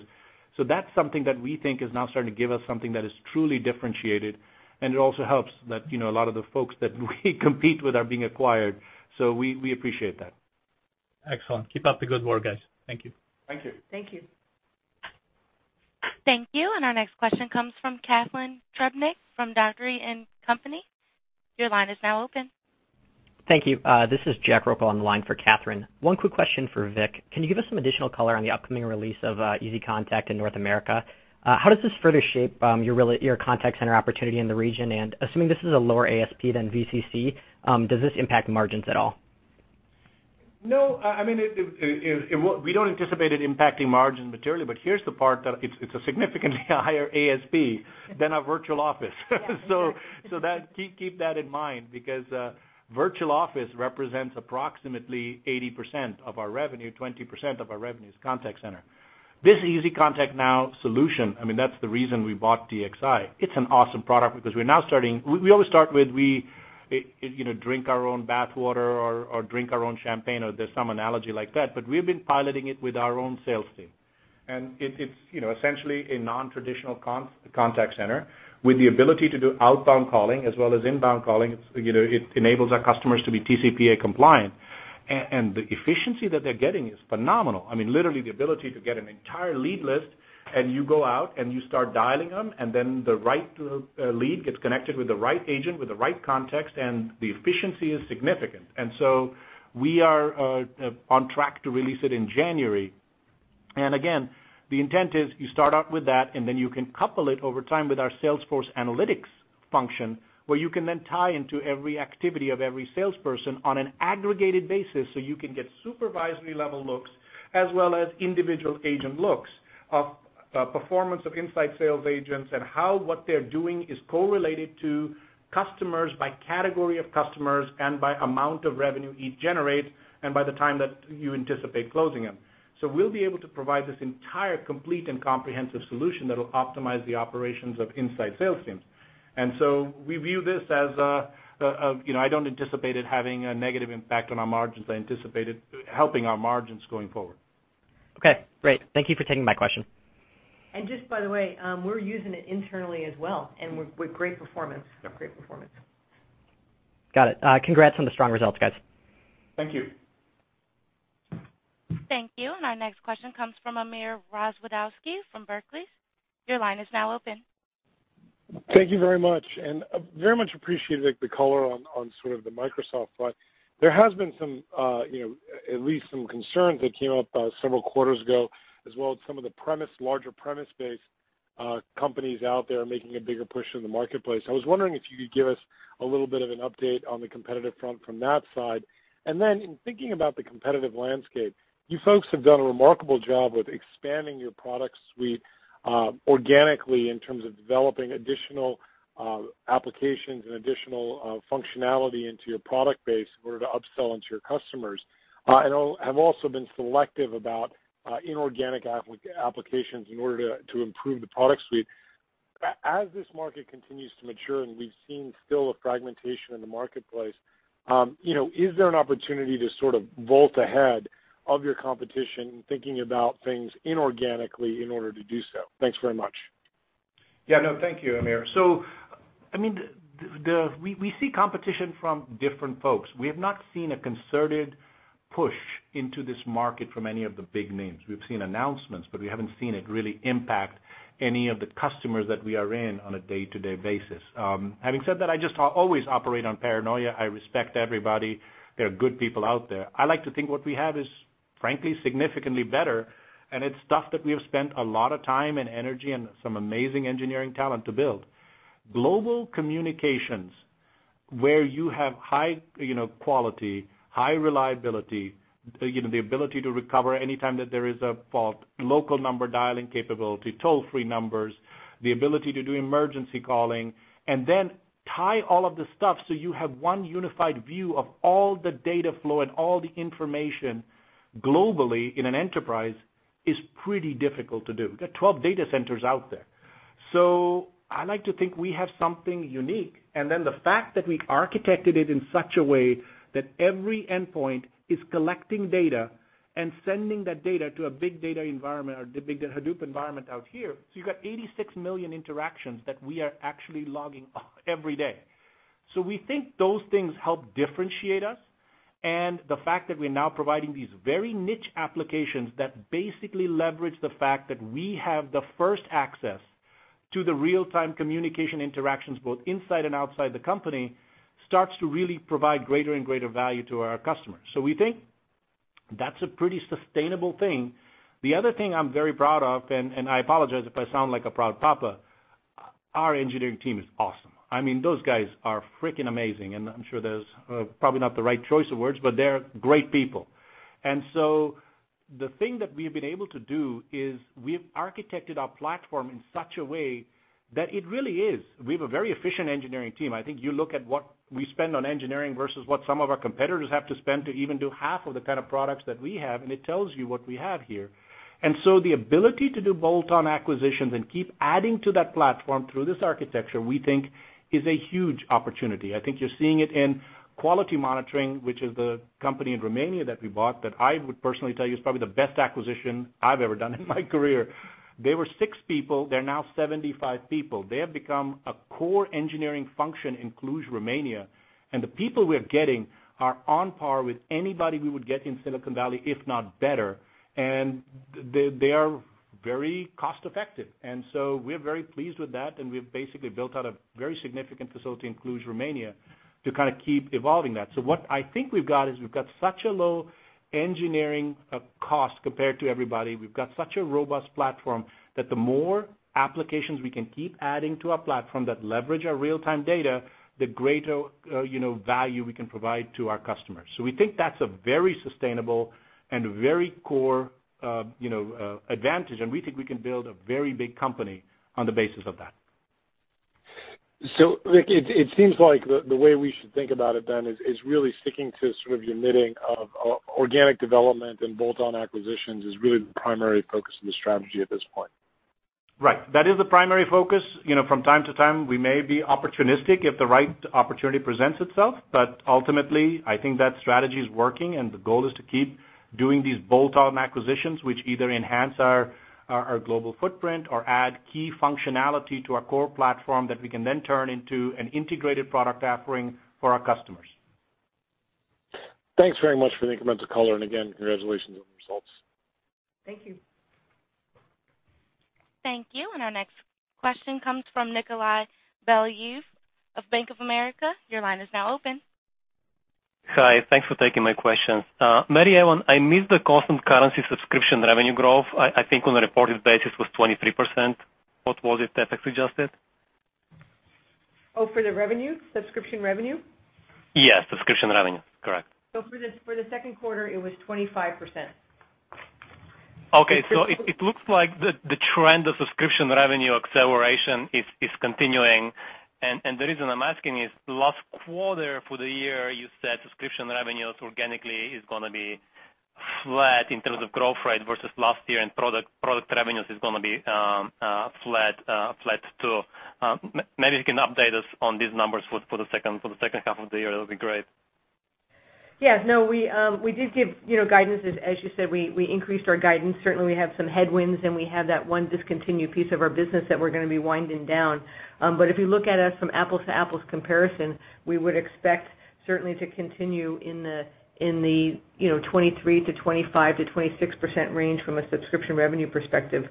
That's something that we think is now starting to give us something that is truly differentiated, and it also helps that a lot of the folks that we compete with are being acquired. We appreciate that. Excellent. Keep up the good work, guys. Thank you. Thank you. Thank you. Thank you. Our next question comes from Catharine Trebnick from Dougherty & Company. Your line is now open. Thank you. This is Jack Roku on the line for Catharine. One quick question for Vik. Can you give us some additional color on the upcoming release of Easy Contact in North America? How does this further shape your contact center opportunity in the region? Assuming this is a lower ASP than VCC, does this impact margins at all? No. I mean, we don't anticipate it impacting margin materially, but here's the part that it's a significantly higher ASP than our Virtual Office. Yeah, exactly. Keep that in mind because Virtual Office represents approximately 80% of our revenue, 20% of our revenue is contact center. This ContactNow solution, that's the reason we bought DXI. It's an awesome product because we always start with, we drink our own bathwater or drink our own champagne, or there's some analogy like that, but we've been piloting it with our own sales team. It's essentially a non-traditional contact center with the ability to do outbound calling as well as inbound calling. It enables our customers to be TCPA compliant. The efficiency that they're getting is phenomenal. Literally, the ability to get an entire lead list, you go out and you start dialing them, then the right lead gets connected with the right agent with the right context, the efficiency is significant. We are on track to release it in January. Again, the intent is you start out with that, then you can couple it over time with our Salesforce analytics function, where you can then tie into every activity of every salesperson on an aggregated basis, you can get supervisory-level looks as well as individual agent looks of performance of inside sales agents, how what they're doing is correlated to customers by category of customers by amount of revenue it generates by the time that you anticipate closing them. We'll be able to provide this entire complete and comprehensive solution that'll optimize the operations of inside sales teams. We view this as, I don't anticipate it having a negative impact on our margins. I anticipate it helping our margins going forward. Okay, great. Thank you for taking my question. Just by the way, we're using it internally as well, with great performance. Yep. Great performance. Got it. Congrats on the strong results, guys. Thank you. Thank you. Our next question comes from Amir Rozwadowski from Barclays. Your line is now open. Thank you very much. Very much appreciate the color on sort of the Microsoft play. There has been at least some concerns that came up several quarters ago, as well as some of the larger premise-based companies out there making a bigger push in the marketplace. I was wondering if you could give us a little bit of an update on the competitive front from that side. In thinking about the competitive landscape, you folks have done a remarkable job with expanding your product suite organically in terms of developing additional applications and additional functionality into your product base in order to upsell into your customers, and have also been selective about inorganic applications in order to improve the product suite. As this market continues to mature and we've seen still a fragmentation in the marketplace, is there an opportunity to sort of vault ahead of your competition in thinking about things inorganically in order to do so? Thanks very much. Yeah, no, thank you, Amir. We see competition from different folks. We have not seen a concerted push into this market from any of the big names. We've seen announcements, we haven't seen it really impact any of the customers that we are in on a day-to-day basis. Having said that, I just always operate on paranoia. I respect everybody. There are good people out there. I like to think what we have is, frankly, significantly better, and it's stuff that we have spent a lot of time and energy and some amazing engineering talent to build. Global communications, where you have high quality, high reliability, the ability to recover anytime that there is a fault, local number dialing capability, toll-free numbers, the ability to do emergency calling, then tie all of the stuff so you have one unified view of all the data flow and all the information globally in an enterprise is pretty difficult to do. We've got 12 data centers out there. I like to think we have something unique. The fact that we architected it in such a way that every endpoint is collecting data and sending that data to a big data environment or the big Hadoop environment out here. You've got 86 million interactions that we are actually logging every day. We think those things help differentiate us. The fact that we're now providing these very niche applications that basically leverage the fact that we have the first access to the real-time communication interactions, both inside and outside the company, starts to really provide greater and greater value to our customers. We think that's a pretty sustainable thing. The other thing I'm very proud of, I apologize if I sound like a proud papa, our engineering team is awesome. Those guys are freaking amazing, and I'm sure those are probably not the right choice of words, but they're great people. The thing that we've been able to do is we've architected our platform in such a way that it really is. We have a very efficient engineering team. I think you look at what we spend on engineering versus what some of our competitors have to spend to even do half of the kind of products that we have, it tells you what we have here. The ability to do bolt-on acquisitions and keep adding to that platform through this architecture, we think is a huge opportunity. I think you're seeing it in quality monitoring, which is the company in Romania that we bought that I would personally tell you is probably the best acquisition I've ever done in my career. They were six people. They're now 75 people. They have become a core engineering function in Cluj, Romania, and the people we're getting are on par with anybody we would get in Silicon Valley, if not better. They are very cost-effective. We're very pleased with that, and we've basically built out a very significant facility in Cluj, Romania, to kind of keep evolving that. What I think we've got is we've got such a low engineering cost compared to everybody. We've got such a robust platform that the more applications we can keep adding to our platform that leverage our real-time data, the greater value we can provide to our customers. We think that's a very sustainable and very core advantage, and we think we can build a very big company on the basis of that. Vik, it seems like the way we should think about it then is really sticking to sort of your knitting of organic development and bolt-on acquisitions is really the primary focus of the strategy at this point. Right. That is the primary focus. From time to time, we may be opportunistic if the right opportunity presents itself, but ultimately, I think that strategy is working and the goal is to keep doing these bolt-on acquisitions, which either enhance our global footprint or add key functionality to our core platform that we can then turn into an integrated product offering for our customers. Thanks very much for the incremental color. Again, congratulations on the results. Thank you. Thank you. Our next question comes from Nikolay Bykov of Bank of America. Your line is now open. Hi. Thanks for taking my questions. Mary Ellen, I missed the constant currency subscription revenue growth. I think on a reported basis was 23%. What was it tax-adjusted? For the revenue? Subscription revenue? Yes, subscription revenue. Correct. For the second quarter, it was 25%. Okay. It looks like the trend of subscription revenue acceleration is continuing, and the reason I'm asking is last quarter for the year, you said subscription revenues organically is going to be flat in terms of growth rate versus last year, and product revenues is going to be flat too. Maybe you can update us on these numbers for the second half of the year. That would be great. Yes. No, we did give guidances. As you said, we increased our guidance. Certainly, we have some headwinds, and we have that one discontinued piece of our business that we're going to be winding down. If you look at us from apples-to-apples comparison, we would expect certainly to continue in the 23% to 25% to 26% range from a subscription revenue perspective.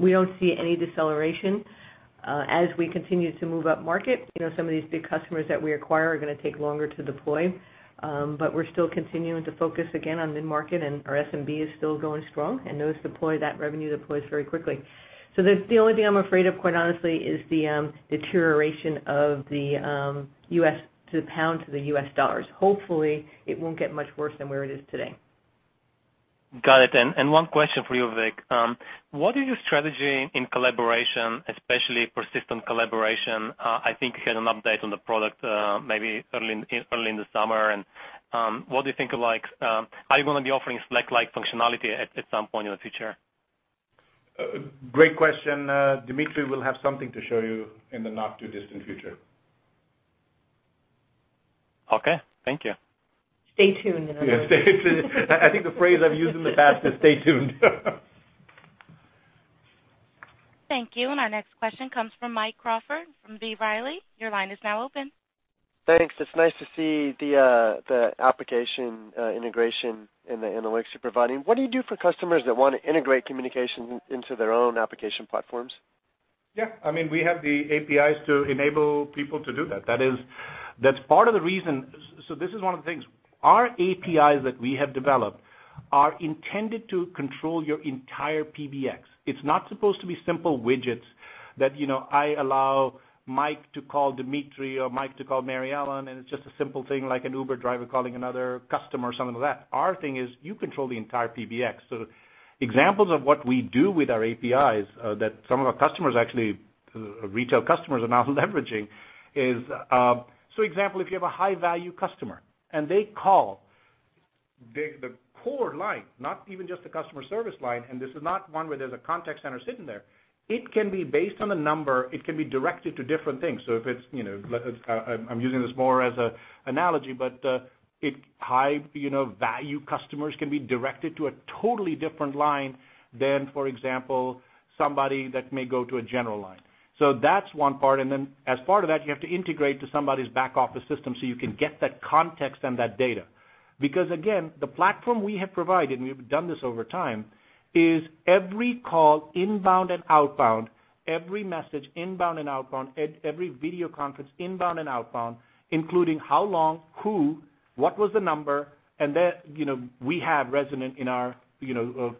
We don't see any deceleration. As we continue to move up market, some of these big customers that we acquire are going to take longer to deploy. We're still continuing to focus again on mid-market, and our SMB is still going strong, and that revenue deploys very quickly. The only thing I'm afraid of, quite honestly, is the deterioration of the pound to the US dollars. Hopefully, it won't get much worse than where it is today. Got it. One question for you, Vik. What is your strategy in collaboration, especially persistent collaboration? I think you had an update on the product maybe early in the summer. What do you think of? Are you going to be offering Slack-like functionality at some point in the future? Great question. Dmitry will have something to show you in the not-too-distant future. Okay. Thank you. Stay tuned, in other words. Yeah, stay tuned. I think the phrase I've used in the past is stay tuned. Thank you. Our next question comes from Mike Crawford from B. Riley. Your line is now open. Thanks. It is nice to see the application integration and the analytics you are providing. What do you do for customers that want to integrate communication into their own application platforms? Yeah. We have the APIs to enable people to do that. That is part of the reason. This is one of the things. Our APIs that we have developed are intended to control your entire PBX. It is not supposed to be simple widgets that I allow Mike to call Dmitri or Mike to call Mary Ellen, and it is just a simple thing like an Uber driver calling another customer or something like that. Our thing is you control the entire PBX. Examples of what we do with our APIs that some of our customers actually, retail customers are now leveraging is, so example, if you have a high-value customer and they call the core line, not even just the customer service line, and this is not one where there is a contact center sitting there, it can be based on the number, it can be directed to different things. I am using this more as an analogy, high-value customers can be directed to a totally different line than, for example, somebody that may go to a general line. That is one part, and then as part of that, you have to integrate to somebody's back office system so you can get that context and that data. Because again, the platform we have provided, and we have done this over time, is every call inbound and outbound, every message inbound and outbound, every video conference inbound and outbound, including how long, who, what was the number, and then we have resident in our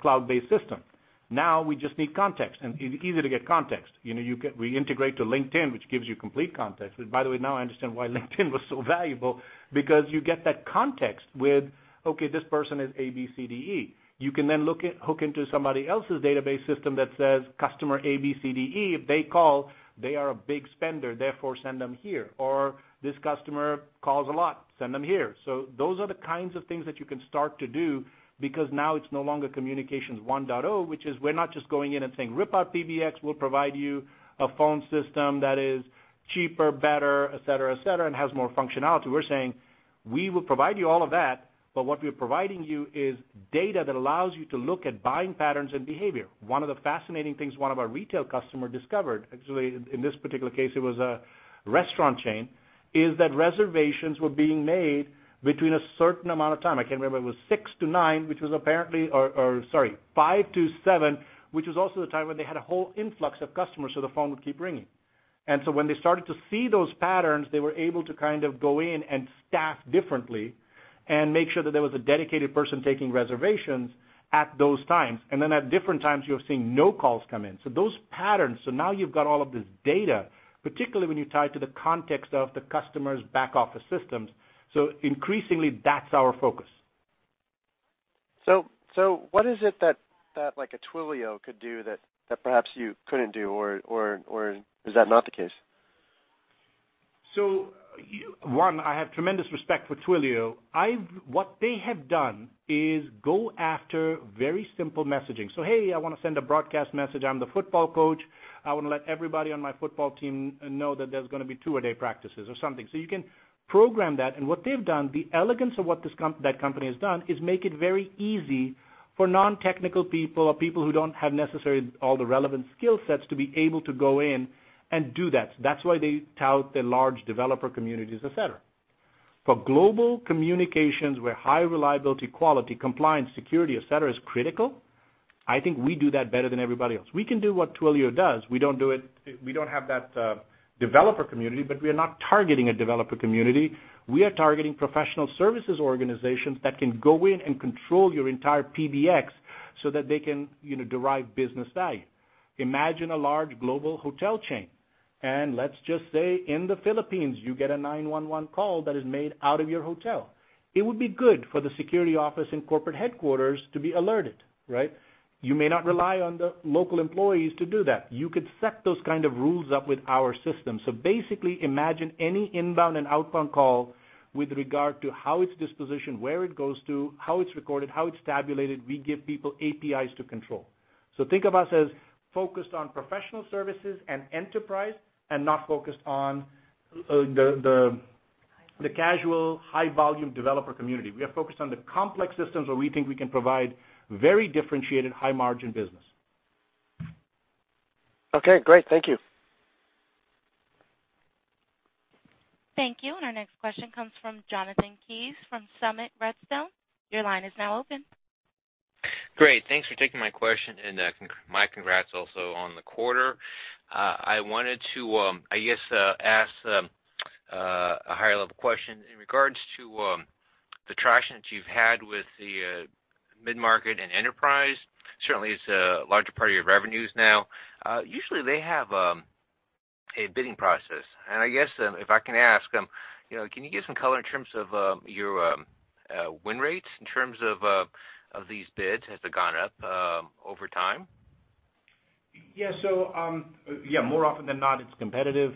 cloud-based system. Now we just need context, and it is easy to get context. We integrate to LinkedIn, which gives you complete context. By the way, now I understand why LinkedIn was so valuable because you get that context with, okay, this person is A, B, C, D, E. You can then hook into somebody else's database system that says customer A, B, C, D, E, if they call, they are a big spender, therefore send them here. This customer calls a lot, send them here. Those are the kinds of things that you can start to do because now it is no longer communications 1.0, which is we are not just going in and saying, "Rip out PBX. We'll provide you a phone system that is cheaper, better, et cetera, et cetera, and has more functionality." We're saying, "We will provide you all of that, but what we're providing you is data that allows you to look at buying patterns and behavior." One of the fascinating things one of our retail customer discovered, actually, in this particular case, it was a restaurant chain, is that reservations were being made between a certain amount of time. I can't remember, it was 6:00 to 9:00, which was apparently or sorry, 5:00 to 7:00, which was also the time when they had a whole influx of customers, so the phone would keep ringing. When they started to see those patterns, they were able to kind of go in and staff differently and make sure that there was a dedicated person taking reservations at those times. At different times, you're seeing no calls come in. Those patterns, so now you've got all of this data, particularly when you tie it to the context of the customer's back office systems. Increasingly, that's our focus. What is it that a Twilio could do that perhaps you couldn't do? Is that not the case? One, I have tremendous respect for Twilio. What they have done is go after very simple messaging. Hey, I want to send a broadcast message, I'm the football coach, I want to let everybody on my football team know that there's going to be two-a-day practices or something. You can program that, what they've done, the elegance of what that company has done is make it very easy for non-technical people or people who don't have necessarily all the relevant skill sets to be able to go in and do that. That's why they tout the large developer communities, et cetera. For global communications where high reliability, quality, compliance, security, et cetera, is critical, I think we do that better than everybody else. We can do what Twilio does. We don't have that developer community, we are not targeting a developer community. We are targeting professional services organizations that can go in and control your entire PBX so that they can derive business value. Imagine a large global hotel chain, and let's just say in the Philippines, you get a 911 call that is made out of your hotel. It would be good for the security office and corporate headquarters to be alerted, right? You may not rely on the local employees to do that. You could set those kind of rules up with our system. Basically, imagine any inbound and outbound call with regard to how it's dispositioned, where it goes to, how it's recorded, how it's tabulated, we give people APIs to control. Think of us as focused on professional services and enterprise, and not focused on the casual high-volume developer community. We are focused on the complex systems where we think we can provide very differentiated high-margin business. Great. Thank you. Thank you. Our next question comes from Jonathan Kees from Summit Redstone. Your line is now open. Great. Thanks for taking my question, and my congrats also on the quarter. I wanted to, I guess, ask a higher-level question in regards to the traction that you've had with the mid-market and enterprise. Certainly, it's a larger part of your revenues now. Usually, they have a bidding process. I guess, if I can ask, can you give some color in terms of your win rates in terms of these bids? Has it gone up over time? Yeah. More often than not, it's competitive.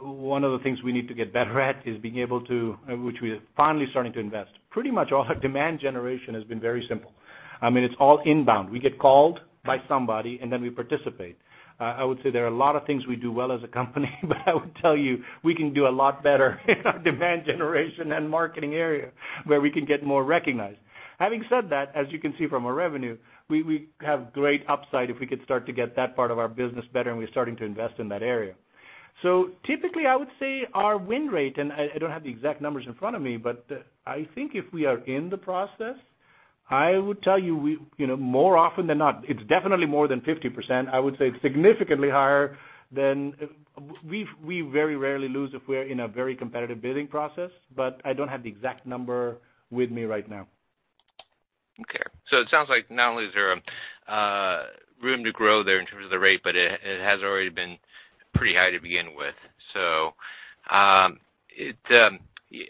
One of the things we need to get better at is being able to, which we are finally starting to invest. Pretty much all our demand generation has been very simple. It's all inbound. We get called by somebody, and then we participate. I would say there are a lot of things we do well as a company. I would tell you, we can do a lot better in our demand generation and marketing area where we can get more recognized. Having said that, as you can see from our revenue, we have great upside if we could start to get that part of our business better. We're starting to invest in that area. Typically, I would say our win rate. I don't have the exact numbers in front of me. I think if we are in the process, I would tell you more often than not. It's definitely more than 50%. I would say significantly higher than. We very rarely lose if we're in a very competitive bidding process. I don't have the exact number with me right now. Okay. It sounds like not only is there room to grow there in terms of the rate, it has already been pretty high to begin with. I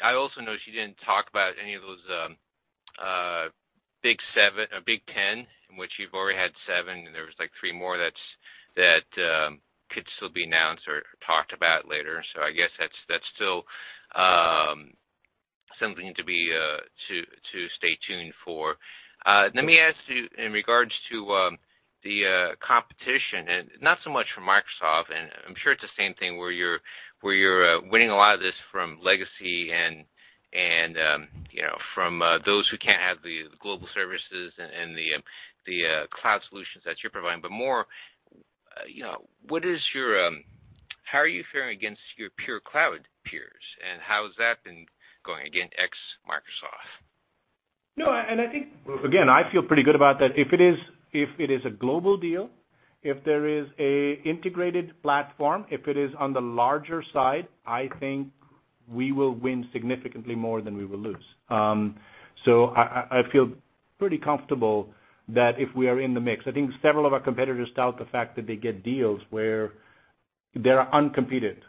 also noticed you didn't talk about any of those Big 10, in which you've already had 7. There was 3 more that could still be announced or talked about later. I guess that's still something to stay tuned for. Let me ask you in regards to the competition. Not so much from Microsoft. I'm sure it's the same thing where you're winning a lot of this from legacy and from those who can't have the global services and the cloud solutions that you're providing. More, how are you faring against your pure cloud peers? How has that been going against ex Microsoft? No, I think, again, I feel pretty good about that. If it is a global deal, if there is an integrated platform, if it is on the larger side, I think we will win significantly more than we will lose. I feel pretty comfortable that if we are in the mix, I think several of our competitors tout the fact that they get deals where they're uncompeted.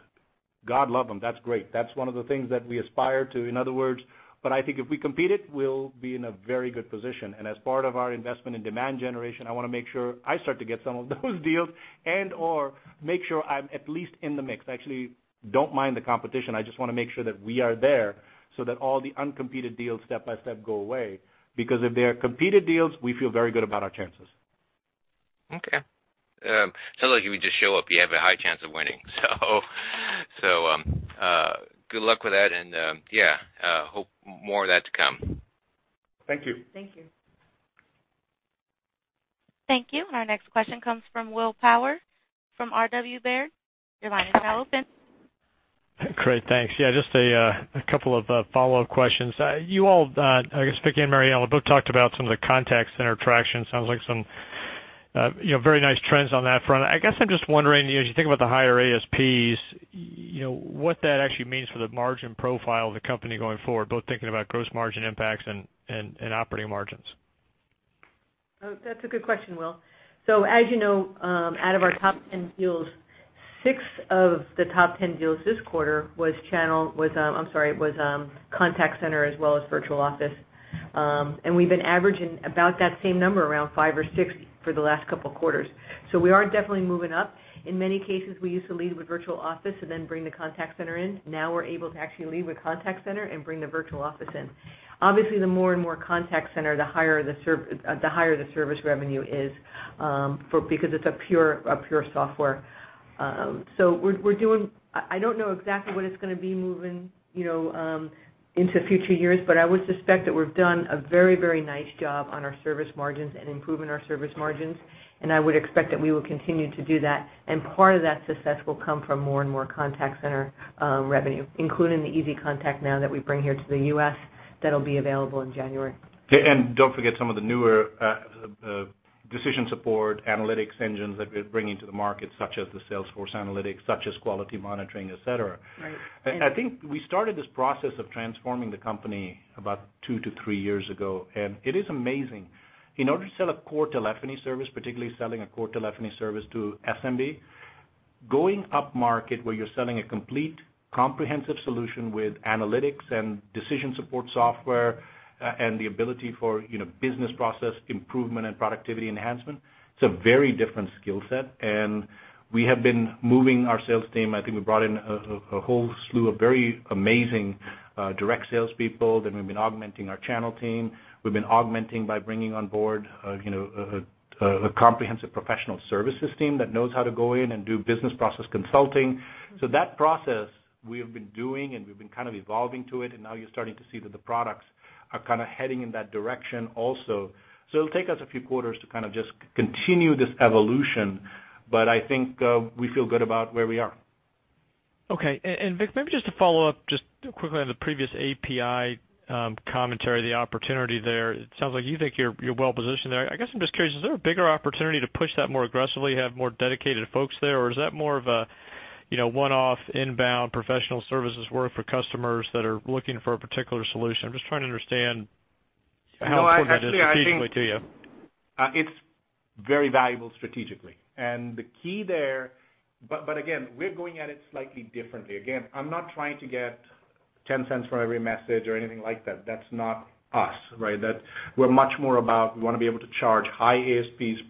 God love them. That's great. That's one of the things that we aspire to, in other words, but I think if we compete it, we'll be in a very good position. As part of our investment in demand generation, I want to make sure I start to get some of those deals and/or make sure I'm at least in the mix. I actually don't mind the competition. I just want to make sure that we are there so that all the uncompeted deals step by step go away. Because if they are competed deals, we feel very good about our chances. Okay. Sounds like if you would just show up, you have a high chance of winning. Good luck with that, and hope more of that to come. Thank you. Thank you. Thank you. Our next question comes from Will Power, from R.W. Baird. Your line is now open. Great. Thanks. Just a couple of follow-up questions. You all, I guess, Vik and Mary Ellen both talked about some of the contact center traction. Sounds like some very nice trends on that front. I guess I'm just wondering, as you think about the higher ASPs, what that actually means for the margin profile of the company going forward, both thinking about gross margin impacts and operating margins. That's a good question, Will. As you know, out of our top 10 deals, 6 of the top 10 deals this quarter was contact center as well as Virtual Office. We've been averaging about that same number, around 5 or 6, for the last couple of quarters. We are definitely moving up. In many cases, we used to lead with Virtual Office and then bring the contact center in. Now we're able to actually lead with contact center and bring the Virtual Office in. Obviously, the more and more contact center, the higher the service revenue is, because it's a pure software. I don't know exactly what it's going to be moving into future years, but I would suspect that we've done a very nice job on our service margins and improving our service margins. I would expect that we will continue to do that. Part of that success will come from more and more contact center revenue, including the ContactNow that we bring here to the U.S. that'll be available in January. Don't forget some of the newer decision support analytics engines that we're bringing to the market, such as the Salesforce analytics, such as quality management, et cetera. Right. I think we started this process of transforming the company about two to three years ago, it is amazing. In order to sell a core telephony service, particularly selling a core telephony service to SMB, going up market where you're selling a complete comprehensive solution with analytics and decision support software and the ability for business process improvement and productivity enhancement, it's a very different skill set. We have been moving our sales team. I think we brought in a whole slew of very amazing direct salespeople. We've been augmenting our channel team. We've been augmenting by bringing on board a comprehensive professional services team that knows how to go in and do business process consulting. That process we have been doing, and we've been kind of evolving to it, now you're starting to see that the products are kind of heading in that direction also. It'll take us a few quarters to kind of just continue this evolution, but I think we feel good about where we are. Okay. Vik, maybe just to follow up just quickly on the previous API commentary, the opportunity there. It sounds like you think you're well positioned there. I guess I'm just curious, is there a bigger opportunity to push that more aggressively, have more dedicated folks there? Or is that more of a one-off inbound professional services work for customers that are looking for a particular solution? I'm just trying to understand how important that is strategically to you. It's very valuable strategically. Again, we're going at it slightly differently. Again, I'm not trying to get $0.10 for every message or anything like that. That's not us, right? We're much more about, we want to be able to charge high ASPs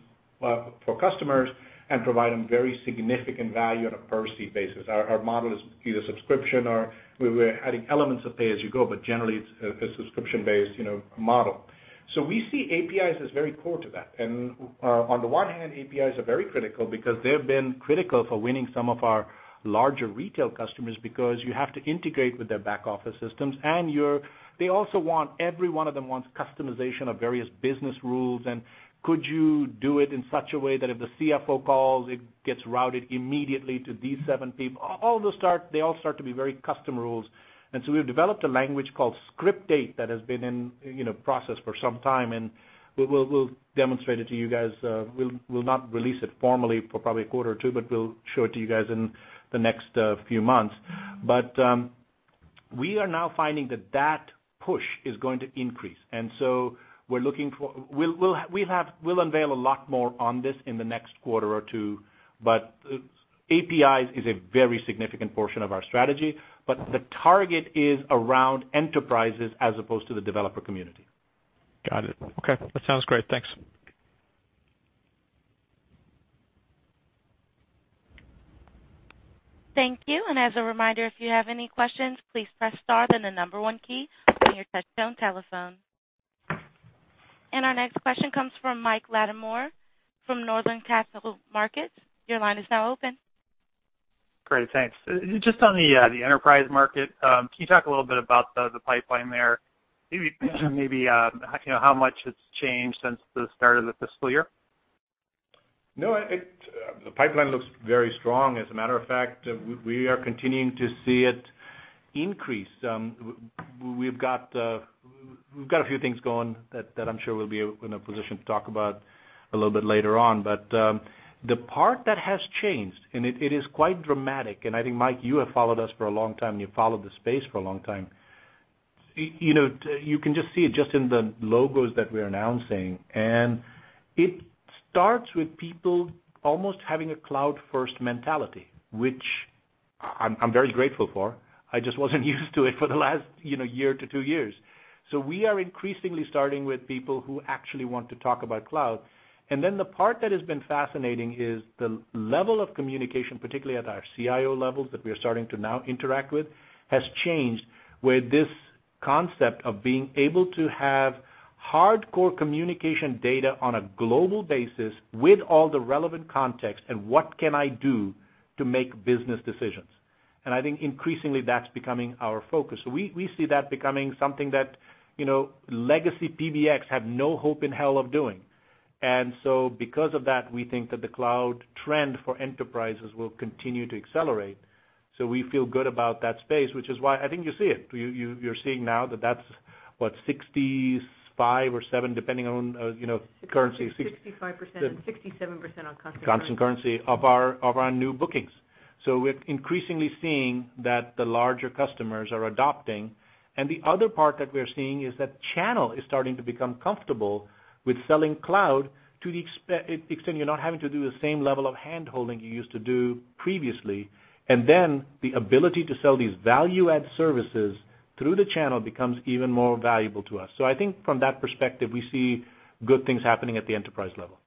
for customers and provide them very significant value on a per-seat basis. Our model is either subscription or we're adding elements of pay-as-you-go, but generally it's a subscription-based model. We see APIs as very core to that. On the one hand, APIs are very critical because they've been critical for winning some of our larger retail customers because you have to integrate with their back office systems. They also want, every one of them wants customization of various business rules and could you do it in such a way that if the CFO calls, it gets routed immediately to these seven people? They all start to be very custom rules. We've developed a language called Script8 that has been in process for some time, and we'll demonstrate it to you guys. We'll not release it formally for probably a quarter or two, but we'll show it to you guys in the next few months. We are now finding that that push is going to increase. We'll unveil a lot more on this in the next quarter or two. APIs is a very significant portion of our strategy, but the target is around enterprises as opposed to the developer community. Got it. Okay. That sounds great. Thanks. Thank you. As a reminder, if you have any questions, please press star, then the number one key on your touchtone telephone. Our next question comes from Mike Latimore from Northland Capital Markets. Your line is now open. Great. Thanks. On the enterprise market, can you talk a little bit about the pipeline there? How much it's changed since the start of the fiscal year? The pipeline looks very strong. We are continuing to see it increase. We've got a few things going that I'm sure we'll be in a position to talk about a little bit later on. The part that has changed, it is quite dramatic, I think, Mike, you have followed us for a long time, you followed the space for a long time. You can see it in the logos that we're announcing, it starts with people almost having a cloud-first mentality, which I'm very grateful for. I just wasn't used to it for the last year to two years. We are increasingly starting with people who actually want to talk about cloud. The part that has been fascinating is the level of communication, particularly at our CIO levels that we are starting to now interact with, has changed where this concept of being able to have hardcore communication data on a global basis with all the relevant context and what can I do to make business decisions. I think increasingly that's becoming our focus. We see that becoming something that legacy PBX have no hope in hell of doing. Because of that, we think that the cloud trend for enterprises will continue to accelerate. We feel good about that space, which is why I think you see it. You're seeing now that that's, what, 65 or seven depending on currency. 65% and 67% on constant currency. Constant currency of our new bookings. We're increasingly seeing that the larger customers are adopting. The other part that we're seeing is that channel is starting to become comfortable with selling cloud to the extent you're not having to do the same level of handholding you used to do previously. The ability to sell these value-add services through the channel becomes even more valuable to us. I think from that perspective, we see good things happening at the enterprise level.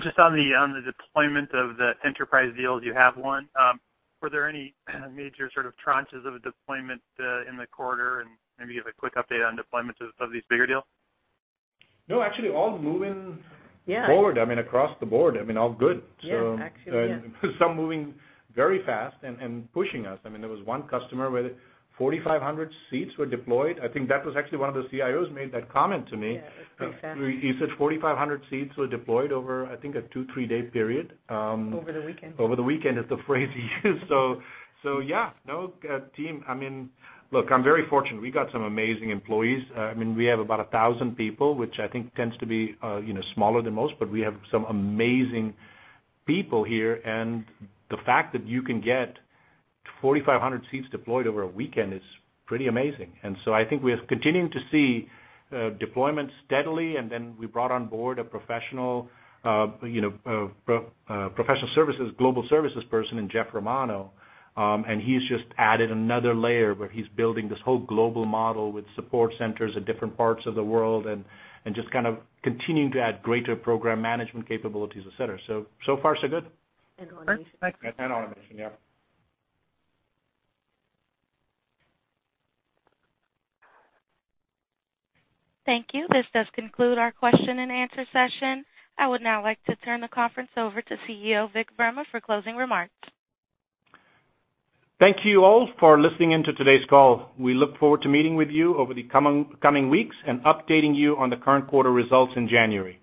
Just on the deployment of the enterprise deals you have won, were there any major sort of tranches of deployment in the quarter? Maybe give a quick update on deployments of these bigger deals. No, actually, all moving- Yeah forward, I mean, across the board, I mean, all good. Yeah. Actually, yeah. Some moving very fast and pushing us. There was one customer where 4,500 seats were deployed. I think that was actually one of the CIOs made that comment to me. Yeah, it was pretty fast. He said 4,500 seats were deployed over, I think, a two, three-day period. Over the weekend. Over the weekend is the phrase he used. Yeah, no, team, look, I'm very fortunate. We got some amazing employees. We have about 1,000 people, which I think tends to be smaller than most, but we have some amazing people here. The fact that you can get 4,500 seats deployed over a weekend is pretty amazing. I think we are continuing to see deployment steadily. Then we brought on board a professional services, global services person in Jeff Romano, and he's just added another layer where he's building this whole global model with support centers at different parts of the world and just kind of continuing to add greater program management capabilities, et cetera. So far, so good. Automation. Automation, yeah. Thank you. This does conclude our question and answer session. I would now like to turn the conference over to CEO, Vik Verma, for closing remarks. Thank you all for listening in to today's call. We look forward to meeting with you over the coming weeks and updating you on the current quarter results in January.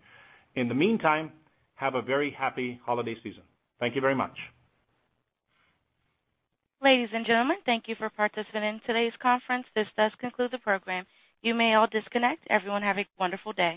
In the meantime, have a very happy holiday season. Thank you very much. Ladies and gentlemen, thank you for participating in today's conference. This does conclude the program. You may all disconnect. Everyone, have a wonderful day.